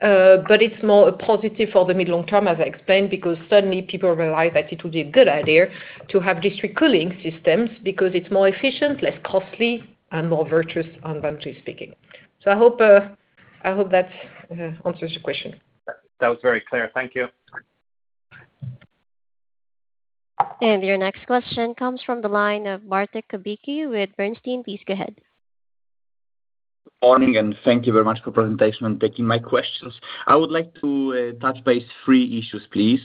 but it's more a positive for the mid-long-term, as I explained, because suddenly people realize that it would be a good idea to have district cooling systems because it's more efficient, less costly and more virtuous environmentally speaking. I hope that answers your question. That was very clear. Thank you. Your next question comes from the line of Bartlomiej Kubicki with Bernstein. Please go ahead. Morning. Thank you very much for presentation and taking my questions. I would like to touch base three issues, please.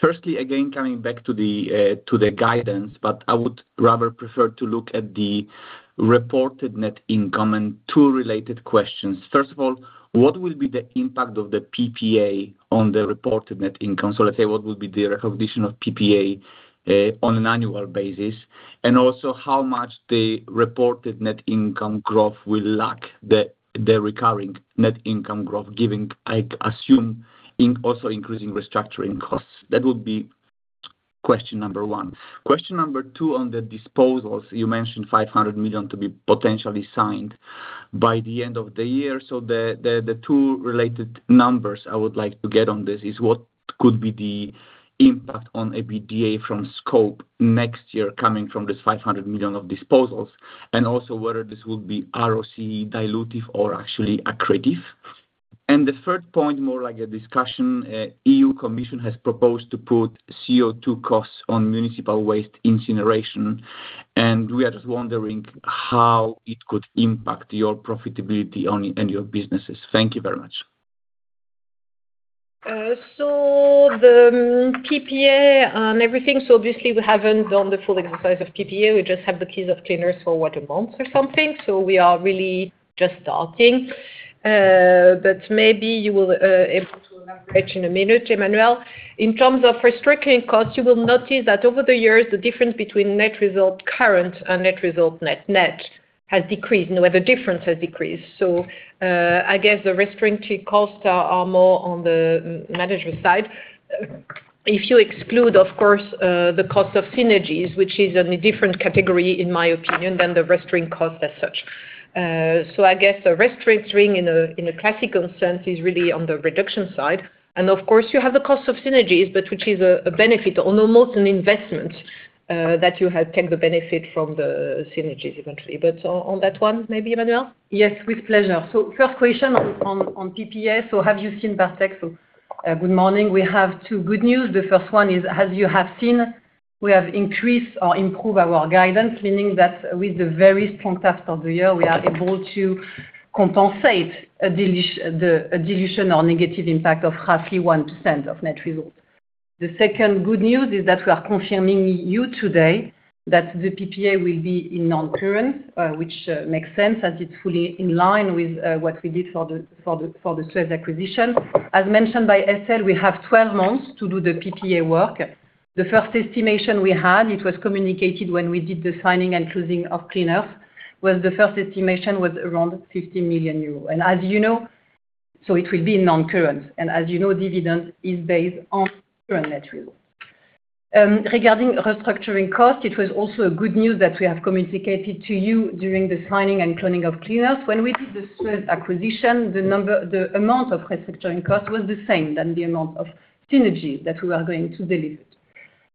Firstly, again, coming back to the guidance, but I would rather prefer to look at the reported net income and two related questions. First of all, what will be the impact of the PPA on the reported net income? What will be the recognition of PPA on an annual basis? Also, how much the reported net income growth will lack the recurring net income growth giving, I assume, in also increasing restructuring costs. That would be question number one. Question number two on the disposals. You mentioned 500 million to be potentially signed by the end of the year. The two related numbers I would like to get on this is what could be the impact on EBITDA from scope next year coming from this 500 million of disposals, and also whether this will be ROCE dilutive or actually accretive. The third point, more like a discussion, EU Commission has proposed to put CO2 costs on municipal waste incineration, and we are just wondering how it could impact your profitability and your businesses. Thank you very much. The PPA and everything. Obviously, we haven't done the full exercise of PPA. We just have the case of Clean Earth for what, a month or something. We are really just starting. But maybe you will be able to elaborate in a minute, Emmanuelle. In terms of restructuring costs, you will notice that over the years, the difference between net result current and net result net has decreased. In other words, the difference has decreased. I guess the restructuring costs are more on the management side. If you exclude, of course, the cost of synergies, which is in a different category, in my opinion, than the restructuring cost as such. I guess the restructuring in a classical sense is really on the reduction side. You have the cost of synergies, which is a benefit or almost an investment that you take the benefit from the synergies eventually. On that one, maybe Emmanuelle? Yes, with pleasure. First question on PPA. Have you seen Batrec? Good morning. We have two good news. The first one is, as you have seen, we have increased or improved our guidance, meaning that with the very strong test of the year, we are able to compensate the dilution or negative impact of roughly 1% of net result. The second good news is that we are confirming you today that the PPA will be in non-current, which makes sense as it's fully in line with what we did for the SUEZ acquisition. As mentioned by Estelle, we have 12 months to do the PPA work. The first estimation we had, it was communicated when we did the signing and closing of Clean Earth, was the first estimation was around 50 million euros. As you know, it will be non-current. As you know, dividend is based on current net result. Regarding restructuring cost, it was also a good news that we have communicated to you during the signing and closing of Clean Earth. When we did the SUEZ acquisition, the amount of restructuring cost was the same than the amount of synergies that we were going to deliver.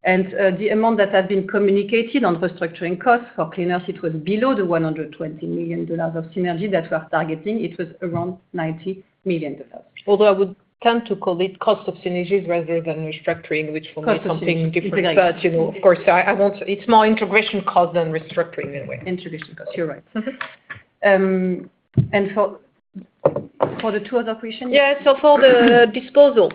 The amount that had been communicated on restructuring costs for Clean Earth, it was below the $120 million of synergy that we are targeting. It was around EUR 90 million. Although I would tend to call it cost of synergies rather than restructuring, which for me is something different. Cost of synergies. Of course, it's more integration cost than restructuring, in a way. Integration cost, you're right. For the two other questions. For the disposal,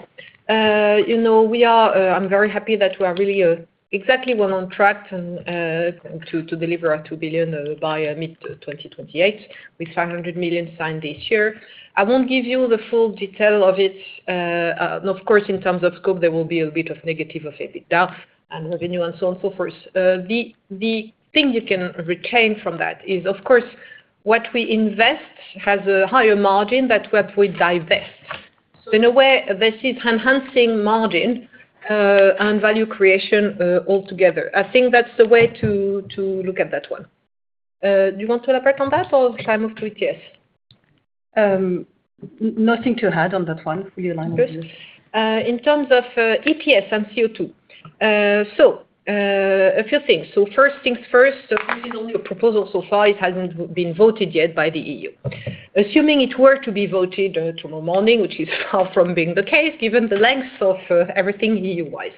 I'm very happy that we are really exactly well on track to deliver our 2 billion by mid-2028 with 500 million signed this year. I won't give you the full detail of it. Of course, in terms of scope, there will be a bit of negative of EBITDA and revenue and so on so forth. The thing you can retain from that is, of course, what we invest has a higher margin than what we divest. In a way, this is enhancing margin and value creation altogether. I think that's the way to look at that one. Do you want to elaborate on that or should I move to ETS? Nothing to add on that one. Fully align with you. In terms of ETS and CO2. A few things. First things first, this is only a proposal so far. It hasn't been voted yet by the EU. Assuming it were to be voted tomorrow morning, which is far from being the case, given the length of everything EU-wise.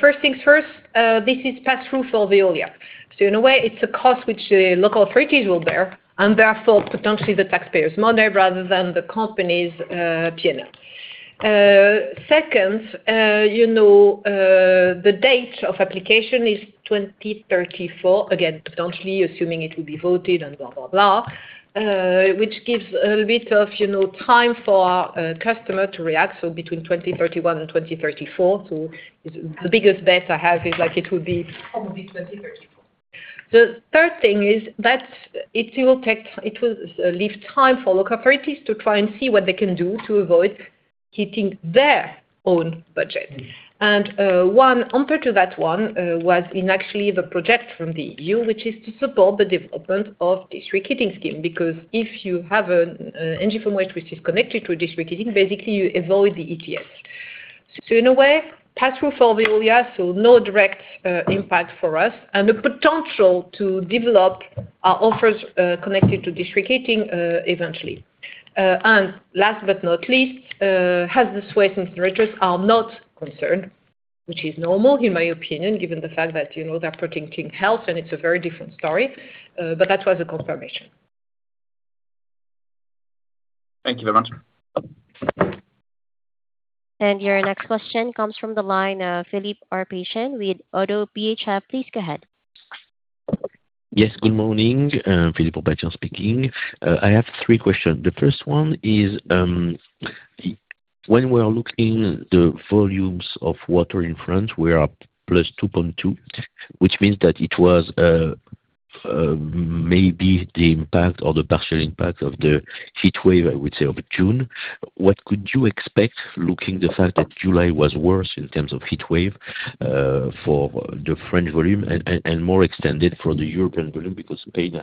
First things first, this is pass-through for Veolia. In a way, it's a cost which local authorities will bear, and therefore, potentially the taxpayers' money rather than the company's P&L. Second, the date of application is 2034, again, potentially assuming it will be voted and blah, blah, which gives a little bit of time for customer to react, between 2031 and 2034. The biggest bet I have is probably 2034. The third thing is that it will leave time for local authorities to try and see what they can do to avoid hitting their own budget. One counter to that one was in actually the project from the EU, which is to support the development of district heating scheme, because if you have an energy from waste which is connected to a district heating, basically you avoid the ETS. In a way, pass-through for Veolia, so no direct impact for us and the potential to develop our offers connected to district heating eventually. Last but not least, health authorities are not concerned, which is normal in my opinion, given the fact that they're protecting health and it's a very different story. That was a confirmation. Thank you very much. Your next question comes from the line, Philippe Ourpatian with Oddo BHF. Please go ahead. Yes. Good morning, Philippe Ourpatian speaking. I have three questions. The first one is, when we are looking at the volumes of Water in France, we are +2.2%, which means that it was maybe the impact or the partial impact of the heatwave, I would say, of June. What could you expect, looking at the fact that July was worse in terms of heatwave for the French volume and more extended for the European volume because Spain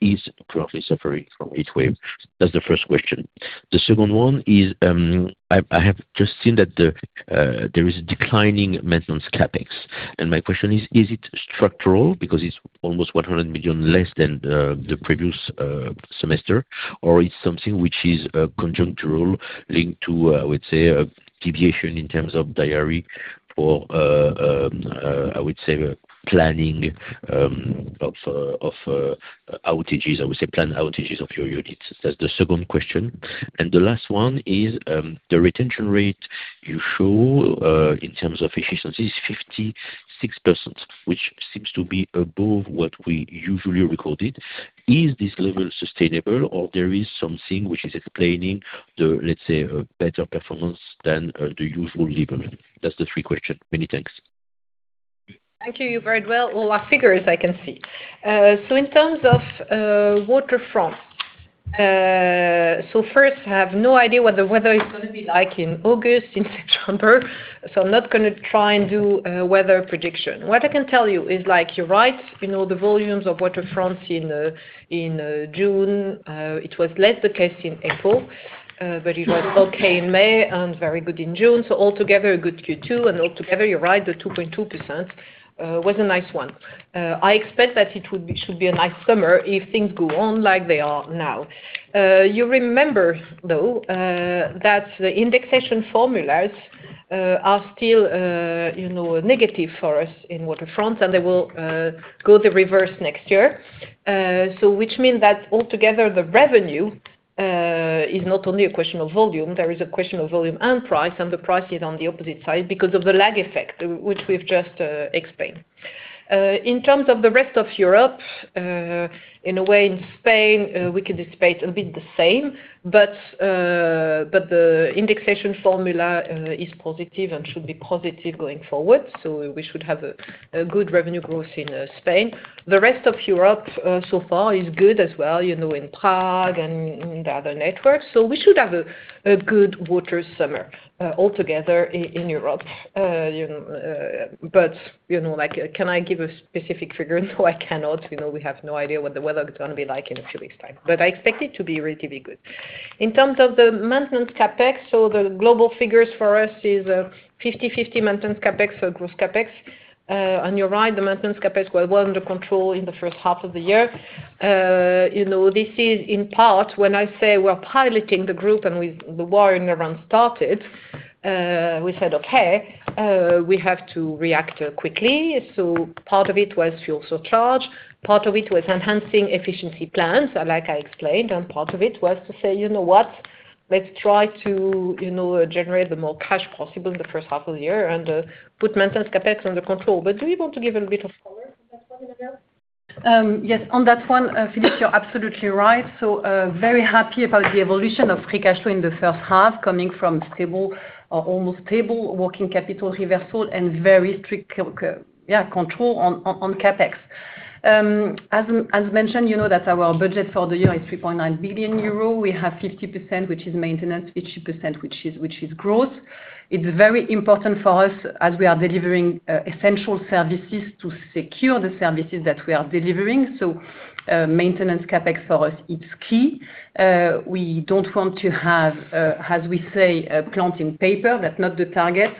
is currently suffering from heatwave. That's the first question. The second one is, I have just seen that there is a declining maintenance CapEx. My question is it structural because it's almost 100 million less than the previous semester, or it's something which is conjunctural linked to, I would say, a deviation in terms of diary or, I would say, planning of outages. I would say planned outages of your units. That's the second question. The last one is, the retention rate you show, in terms of efficiencies, 56%, which seems to be above what we usually recorded. Is this level sustainable or there is something which is explaining the, let's say, better performance than the usual level? That's the three questions. Many thanks. Thank you. You're very well. All our figures, I can see. In terms of Water France. First, I have no idea what the weather is going to be like in August, in September, so I'm not going to try and do a weather prediction. What I can tell you is, you're right. The volumes of Water France in June, it was less the case in April, but it was okay in May and very good in June. Altogether, a good Q2 and altogether, you're right, the 2.2% was a nice one. I expect that it should be a nice summer if things go on like they are now. You remember, though, that the indexation formulas are still negative for us in Water France, and they will go the reverse next year. Which means that altogether the revenue is not only a question of volume, there is a question of volume and price, and the price is on the opposite side because of the lag effect, which we've just explained. In terms of the rest of Europe, in a way, in Spain, we could expect a bit the same, the indexation formula is positive and should be positive going forward, we should have a good revenue growth in Spain. The rest of Europe so far is good as well, in Prague and the other networks. We should have a good water summer altogether in Europe. Can I give a specific figure? No, I cannot. We have no idea what the weather's going to be like in a few weeks' time, but I expect it to be really good. In terms of the maintenance CapEx, the global figures for us is 50/50 maintenance CapEx or growth CapEx. You're right, the maintenance CapEx was well under control in the first half of the year. This is in part when I say we're piloting the group and the war in Iran started, we said, "Okay, we have to react quickly." Part of it was fuel surcharge, part of it was enhancing efficiency plans, like I explained, part of it was to say, "You know what? Let's try to generate the most cash possible in the first half of the year and put maintenance CapEx under control." Do you want to give a bit of color on that one, Emmanuelle? Yes. On that one, Philippe, you're absolutely right. Very happy about the evolution of free cash flow in the first half, coming from stable or almost stable working capital reversal and very strict control on CapEx. As mentioned, our budget for the year is 3.9 billion euro. We have 50%, which is maintenance, 50%, which is growth. It's very important for us as we are delivering essential services to secure the services that we are delivering. Maintenance CapEx for us, it's key. We don't want to have, as we say, plants in paper. That's not the target.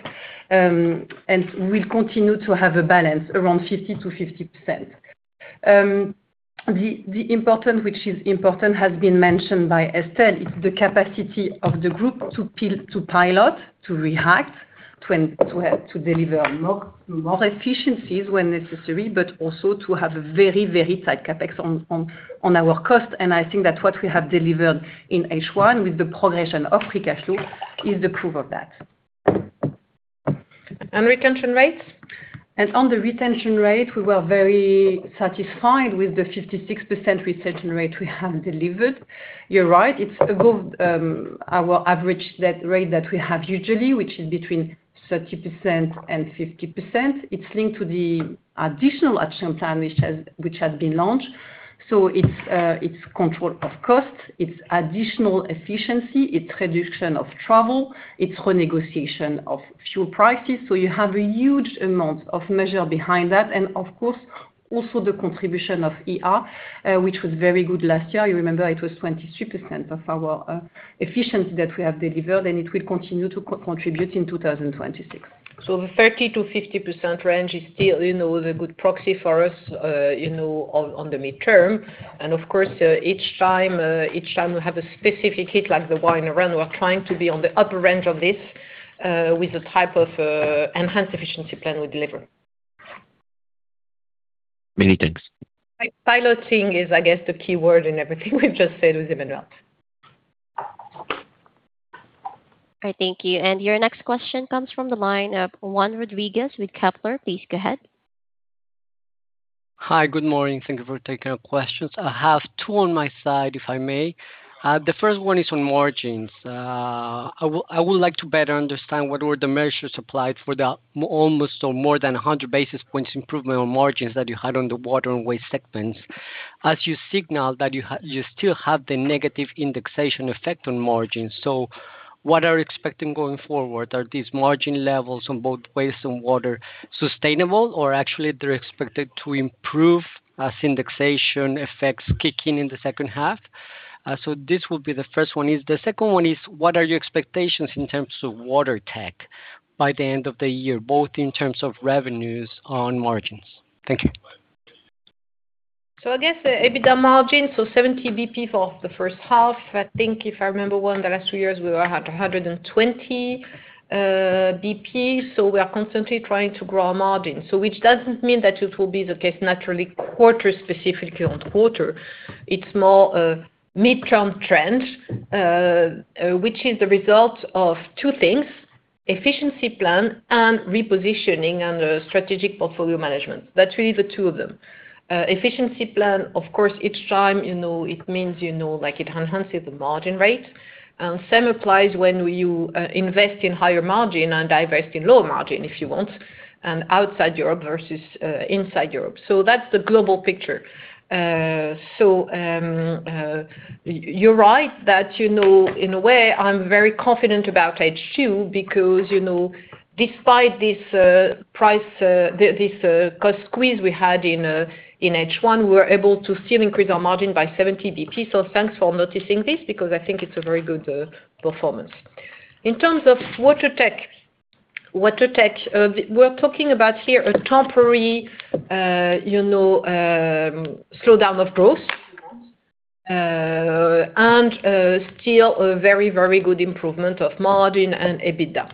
We'll continue to have a balance around 50% to 50%. Which is important has been mentioned by Estelle, is the capacity of the group to pilot, to react, to deliver more efficiencies when necessary, but also to have a very, very tight CapEx on our cost. I think that what we have delivered in H1 with the progression of free cash flow is the proof of that. Retention rates. On the retention rate, we were very satisfied with the 56% retention rate we have delivered. You're right, it's above our average rate that we have usually, which is between 30% and 50%. It's linked to the additional action plan which has been launched. It's control of costs, it's additional efficiency, it's reduction of travel, it's renegotiation of fuel prices. You have a huge amount of measure behind that. Of course, also the contribution of ER, which was very good last year. You remember it was 22% of our efficiency that we have delivered, and it will continue to contribute in 2026. The 30%-50% range is still the good proxy for us on the midterm. Of course, each time we have a specific hit like the war in Iran, we are trying to be on the upper range of this with the type of enhanced efficiency plan we deliver. Many thanks. Piloting is, I guess, the key word in everything we've just said with Emmanuelle. All right. Thank you. Your next question comes from the line of Juan Rodriguez with Kepler. Please go ahead. Hi. Good morning. Thank you for taking our questions. I have two on my side, if I may. The first one is on margins. I would like to better understand what were the measures applied for the almost or more than 100 basis points improvement on margins that you had on the water and waste segments. As you signal that you still have the negative indexation effect on margins. What are you expecting going forward? Are these margin levels on both waste and water sustainable or actually they're expected to improve as indexation effects kick in in the second half? This will be the first one. The second one is, what are your expectations in terms of Water Tech by the end of the year, both in terms of revenues on margins? Thank you. I guess the EBITDA margin, 70 basis points for the first half. I think if I remember, the last two years we were at 120 basis points, we are constantly trying to grow our margin. Which doesn't mean that it will be the case naturally quarter specifically on water. It's more a mid-term trend, which is the result of two things, efficiency plan and repositioning under strategic portfolio management. That's really the two of them. Efficiency plan, of course, each time it means it enhances the margin rate. Same applies when you invest in higher margin and divest in low margin, if you want, and outside Europe versus inside Europe. That's the global picture. You're right that in a way, I'm very confident about H2 because despite this cost squeeze we had in H1, we were able to still increase our margin by 70 basis points. Thanks for noticing this because I think it's a very good performance. In terms of Water Tech, we're talking about here a temporary slowdown of growth and still a very good improvement of margin and EBITDA.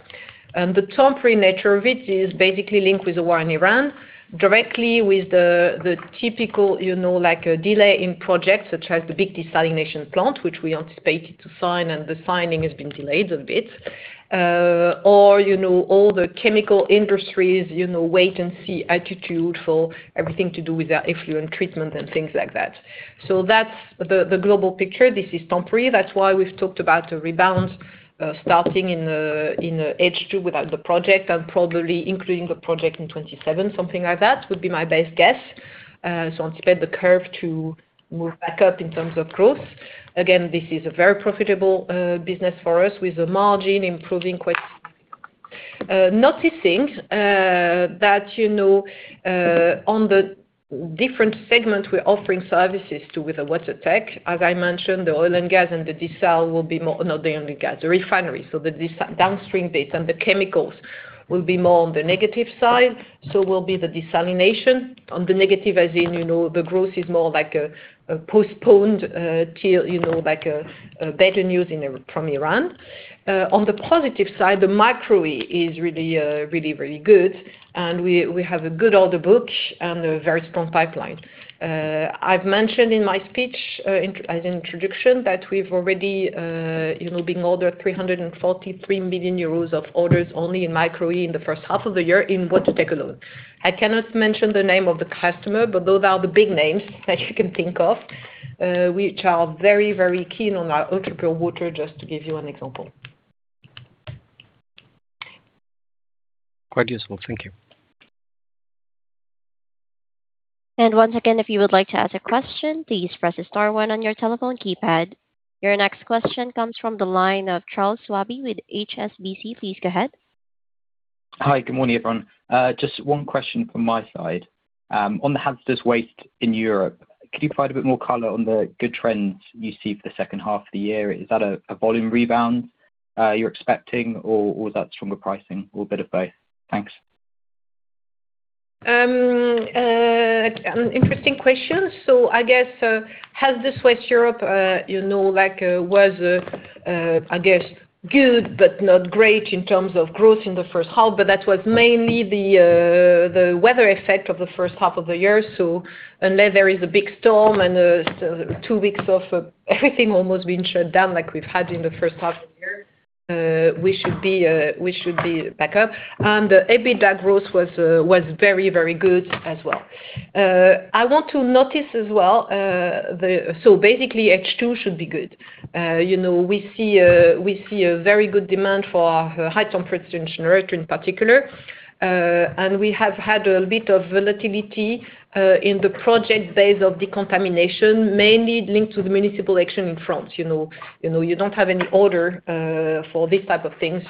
The temporary nature of it is basically linked with the war in Iran, directly with the typical delay in projects such as the big desalination plant, which we anticipated to sign and the signing has been delayed a bit. Or all the chemical industries wait-and-see attitude for everything to do with their effluent treatment and things like that. That's the global picture. This is temporary. That's why we've talked about a rebalance starting in H2 without the project and probably including the project in 2027, something like that would be my best guess. Expect the curve to move back up in terms of growth. Again, this is a very profitable business for us with the margin improving quite. Noticing that on the different segments we're offering services to with the Water Tech, as I mentioned, the oil and gas and the desal will be more-- Not the oil and gas, the refinery. The downstream bits and the chemicals will be more on the negative side. Will be the desalination on the negative, as in the growth is more like a postponed till better news from Iran. On the positive side, the micro-e is really good, and we have a good order book and a very strong pipeline. I've mentioned in my speech as introduction that we've already been ordered 343 million euros of orders only in micro in the first half of the year in Water Tech alone. I cannot mention the name of the customer, but those are the big names that you can think of, which are very, very keen on our ultrapure water, just to give you an example. Quite useful. Thank you. Once again, if you would like to ask a question, please press star one on your telephone keypad. Your next question comes from the line of Charles Swabey with HSBC. Please go ahead. Hi. Good morning, everyone. Just one question from my side. On the hazardous waste in Europe, could you provide a bit more color on the good trends you see for the second half of the year? Is that a volume rebound you're expecting or that's from the pricing or a bit of both? Thanks. An interesting question. I guess hazardous waste Europe was, I guess, good but not great in terms of growth in the first half, but that was mainly the weather effect of the first half of the year. Unless there is a big storm and two weeks of everything almost being shut down like we've had in the first half of the year, we should be back up. The EBITDA growth was very good as well. I want to notice as well. H2 should be good. We see a very good demand for high temperature incinerator in particular. We have had a bit of volatility in the project base of decontamination, mainly linked to the municipal election in France. You don't have any order for this type of things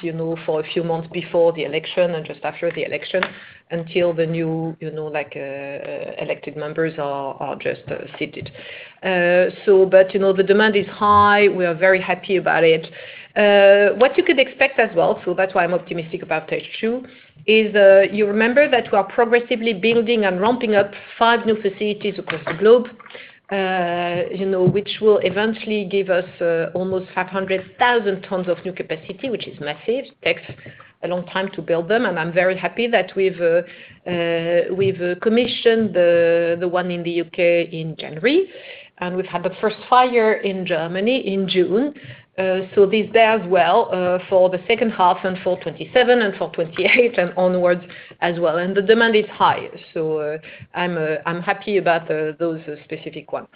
for a few months before the election and just after the election until the new elected members are just seated. The demand is high. We are very happy about it. What you could expect as well, you remember that we are progressively building and ramping up five new facilities across the globe, which will eventually give us almost 500,000 tons of new capacity, which is massive. It takes a long time to build them, and I'm very happy that we've commissioned the one in the U.K. in January. We've had the first fire in Germany in June. It is there as well for the second half and for 2027 and for 2028 and onwards as well. The demand is high. I'm happy about those specific ones.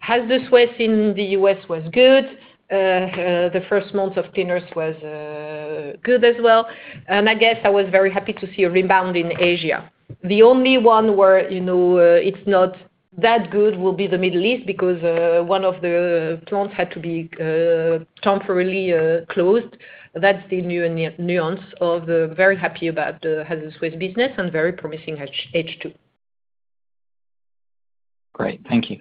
Hazardous waste in the U.S. was good. The first month of Clean Earth was good as well. I was very happy to see a rebound in Asia. The only one where it's not that good will be the Middle East because one of the plants had to be temporarily closed. That's the nuance of very happy about the Hazardous Waste business and very promising H2. Great. Thank you.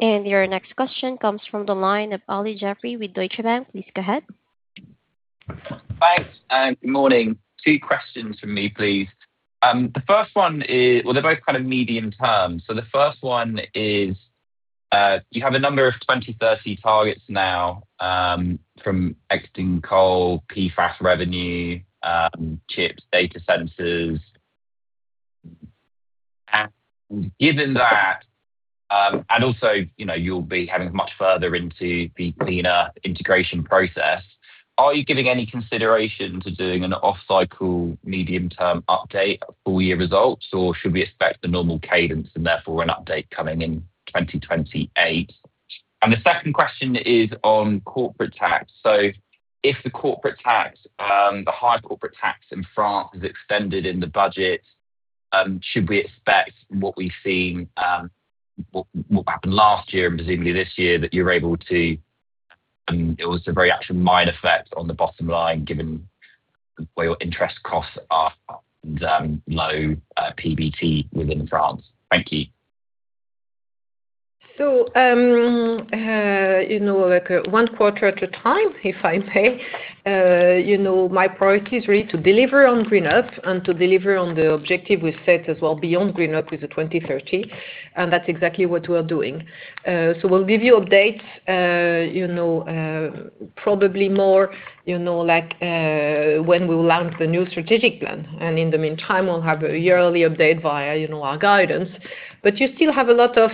Your next question comes from the line of Olly Jeffery with Deutsche Bank. Please go ahead. Thanks. Good morning. Two questions from me, please. The first one is, they're both kind of medium-term. The first one is, you have a number of 2030 targets now, from exiting coal, PFAS revenue, chips, data centers. Given that, and also you'll be heading much further into the cleaner integration process, are you giving any consideration to doing an off-cycle medium-term update of full year results or should we expect the normal cadence and therefore an update coming in 2028? The second question is on corporate tax. If the high corporate tax in France is extended in the budget, should we expect what happened last year and presumably this year, It was a very actual minor effect on the bottom line, given where your interest costs are and low PBT within France. Thank you. One quarter at a time, if I may. My priority is really to deliver on GreenUp and to deliver on the objective we've set as well beyond GreenUp with the 2030, that's exactly what we're doing. We'll give you updates probably more when we'll launch the new strategic plan. In the meantime, we'll have a yearly update via our guidance. You still have a lot of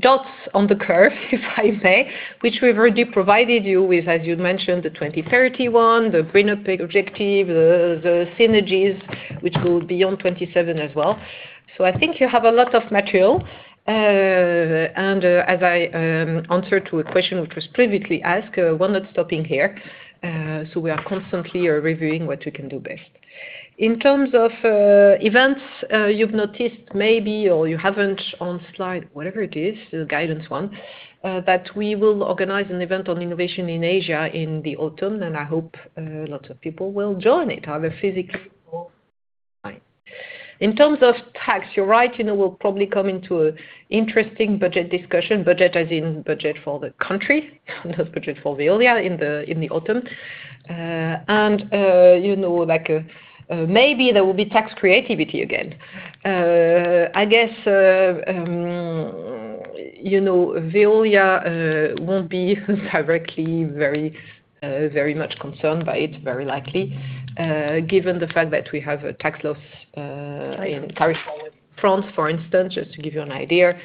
dots on the curve, if I may, which we've already provided you with, as you mentioned, the 2030 one, the GreenUp objective, the synergies, which go beyond 2027 as well. I think you have a lot of material. As I answered to a question which was previously asked, we're not stopping here. We are constantly reviewing what we can do best. In terms of events, you've noticed maybe, or you haven't on slide, whatever it is, the guidance one, that we will organize an event on innovation in Asia in the autumn, I hope lots of people will join it, either physically or online. In terms of tax, you're right, we'll probably come into an interesting budget discussion, budget as in budget for the country, not as budget for Veolia, in the autumn. Maybe there will be tax creativity again. I guess Veolia won't be directly very much concerned by it, very likely, given the fact that we have a tax loss carry forward in France, for instance, just to give you an idea.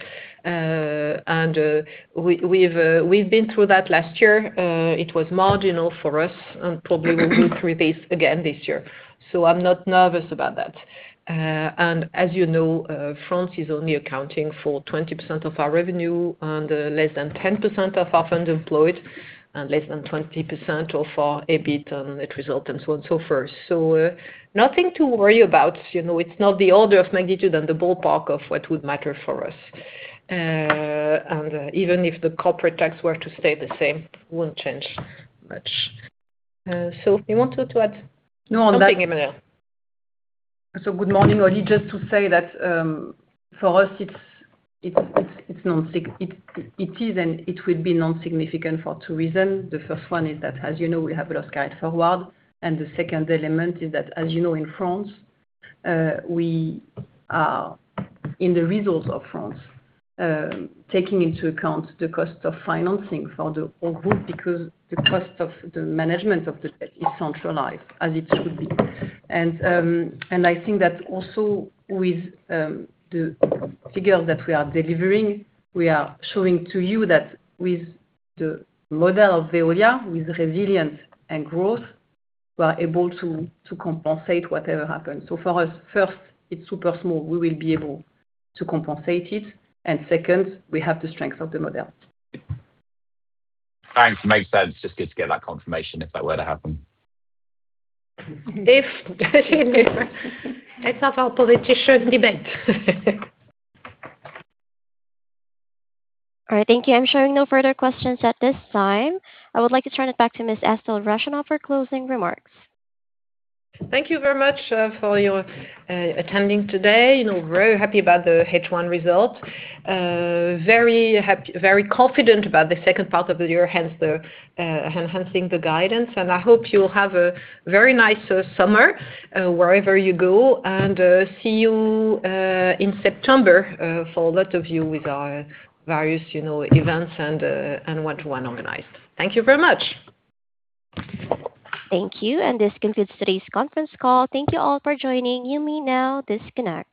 We've been through that last year. It was marginal for us, and probably we'll go through this again this year. I'm not nervous about that. As you know, France is only accounting for 20% of our revenue and less than 10% of our funds employed and less than 20% of our EBIT and net result and so on and so forth. Nothing to worry about. It's not the order of magnitude and the ballpark of what would matter for us. Even if the corporate tax were to stay the same, it wouldn't change much. You wanted to add something, Emmanuelle? No. Good morning, Olly. Just to say that, for us, it is and it will be non-significant for two reasons. The first one is that, as you know, we have lost guide forward. The second element is that, as you know, in France, in the results of France, taking into account the cost of financing for the whole group, because the cost of the management of the debt is centralized, as it should be. I think that also with the figures that we are delivering, we are showing to you that with the model of Veolia, with resilience and growth, we're able to compensate whatever happens. For us, first, it's super small, we will be able to compensate it. Second, we have the strength of the model. Thanks. Makes sense. Just good to get that confirmation if that were to happen. If. It's not our politician debate. All right. Thank you. I'm showing no further questions at this time. I would like to turn it back to Ms. Estelle Brachlianoff for closing remarks. Thank you very much for your attending today. Very happy about the H1 results. Very confident about the second part of the year, hence enhancing the guidance. I hope you'll have a very nice summer wherever you go. See you in September for a lot of you with our various events and what we have organized. Thank you very much. Thank you. This concludes today's conference call. Thank you all for joining. You may now disconnect.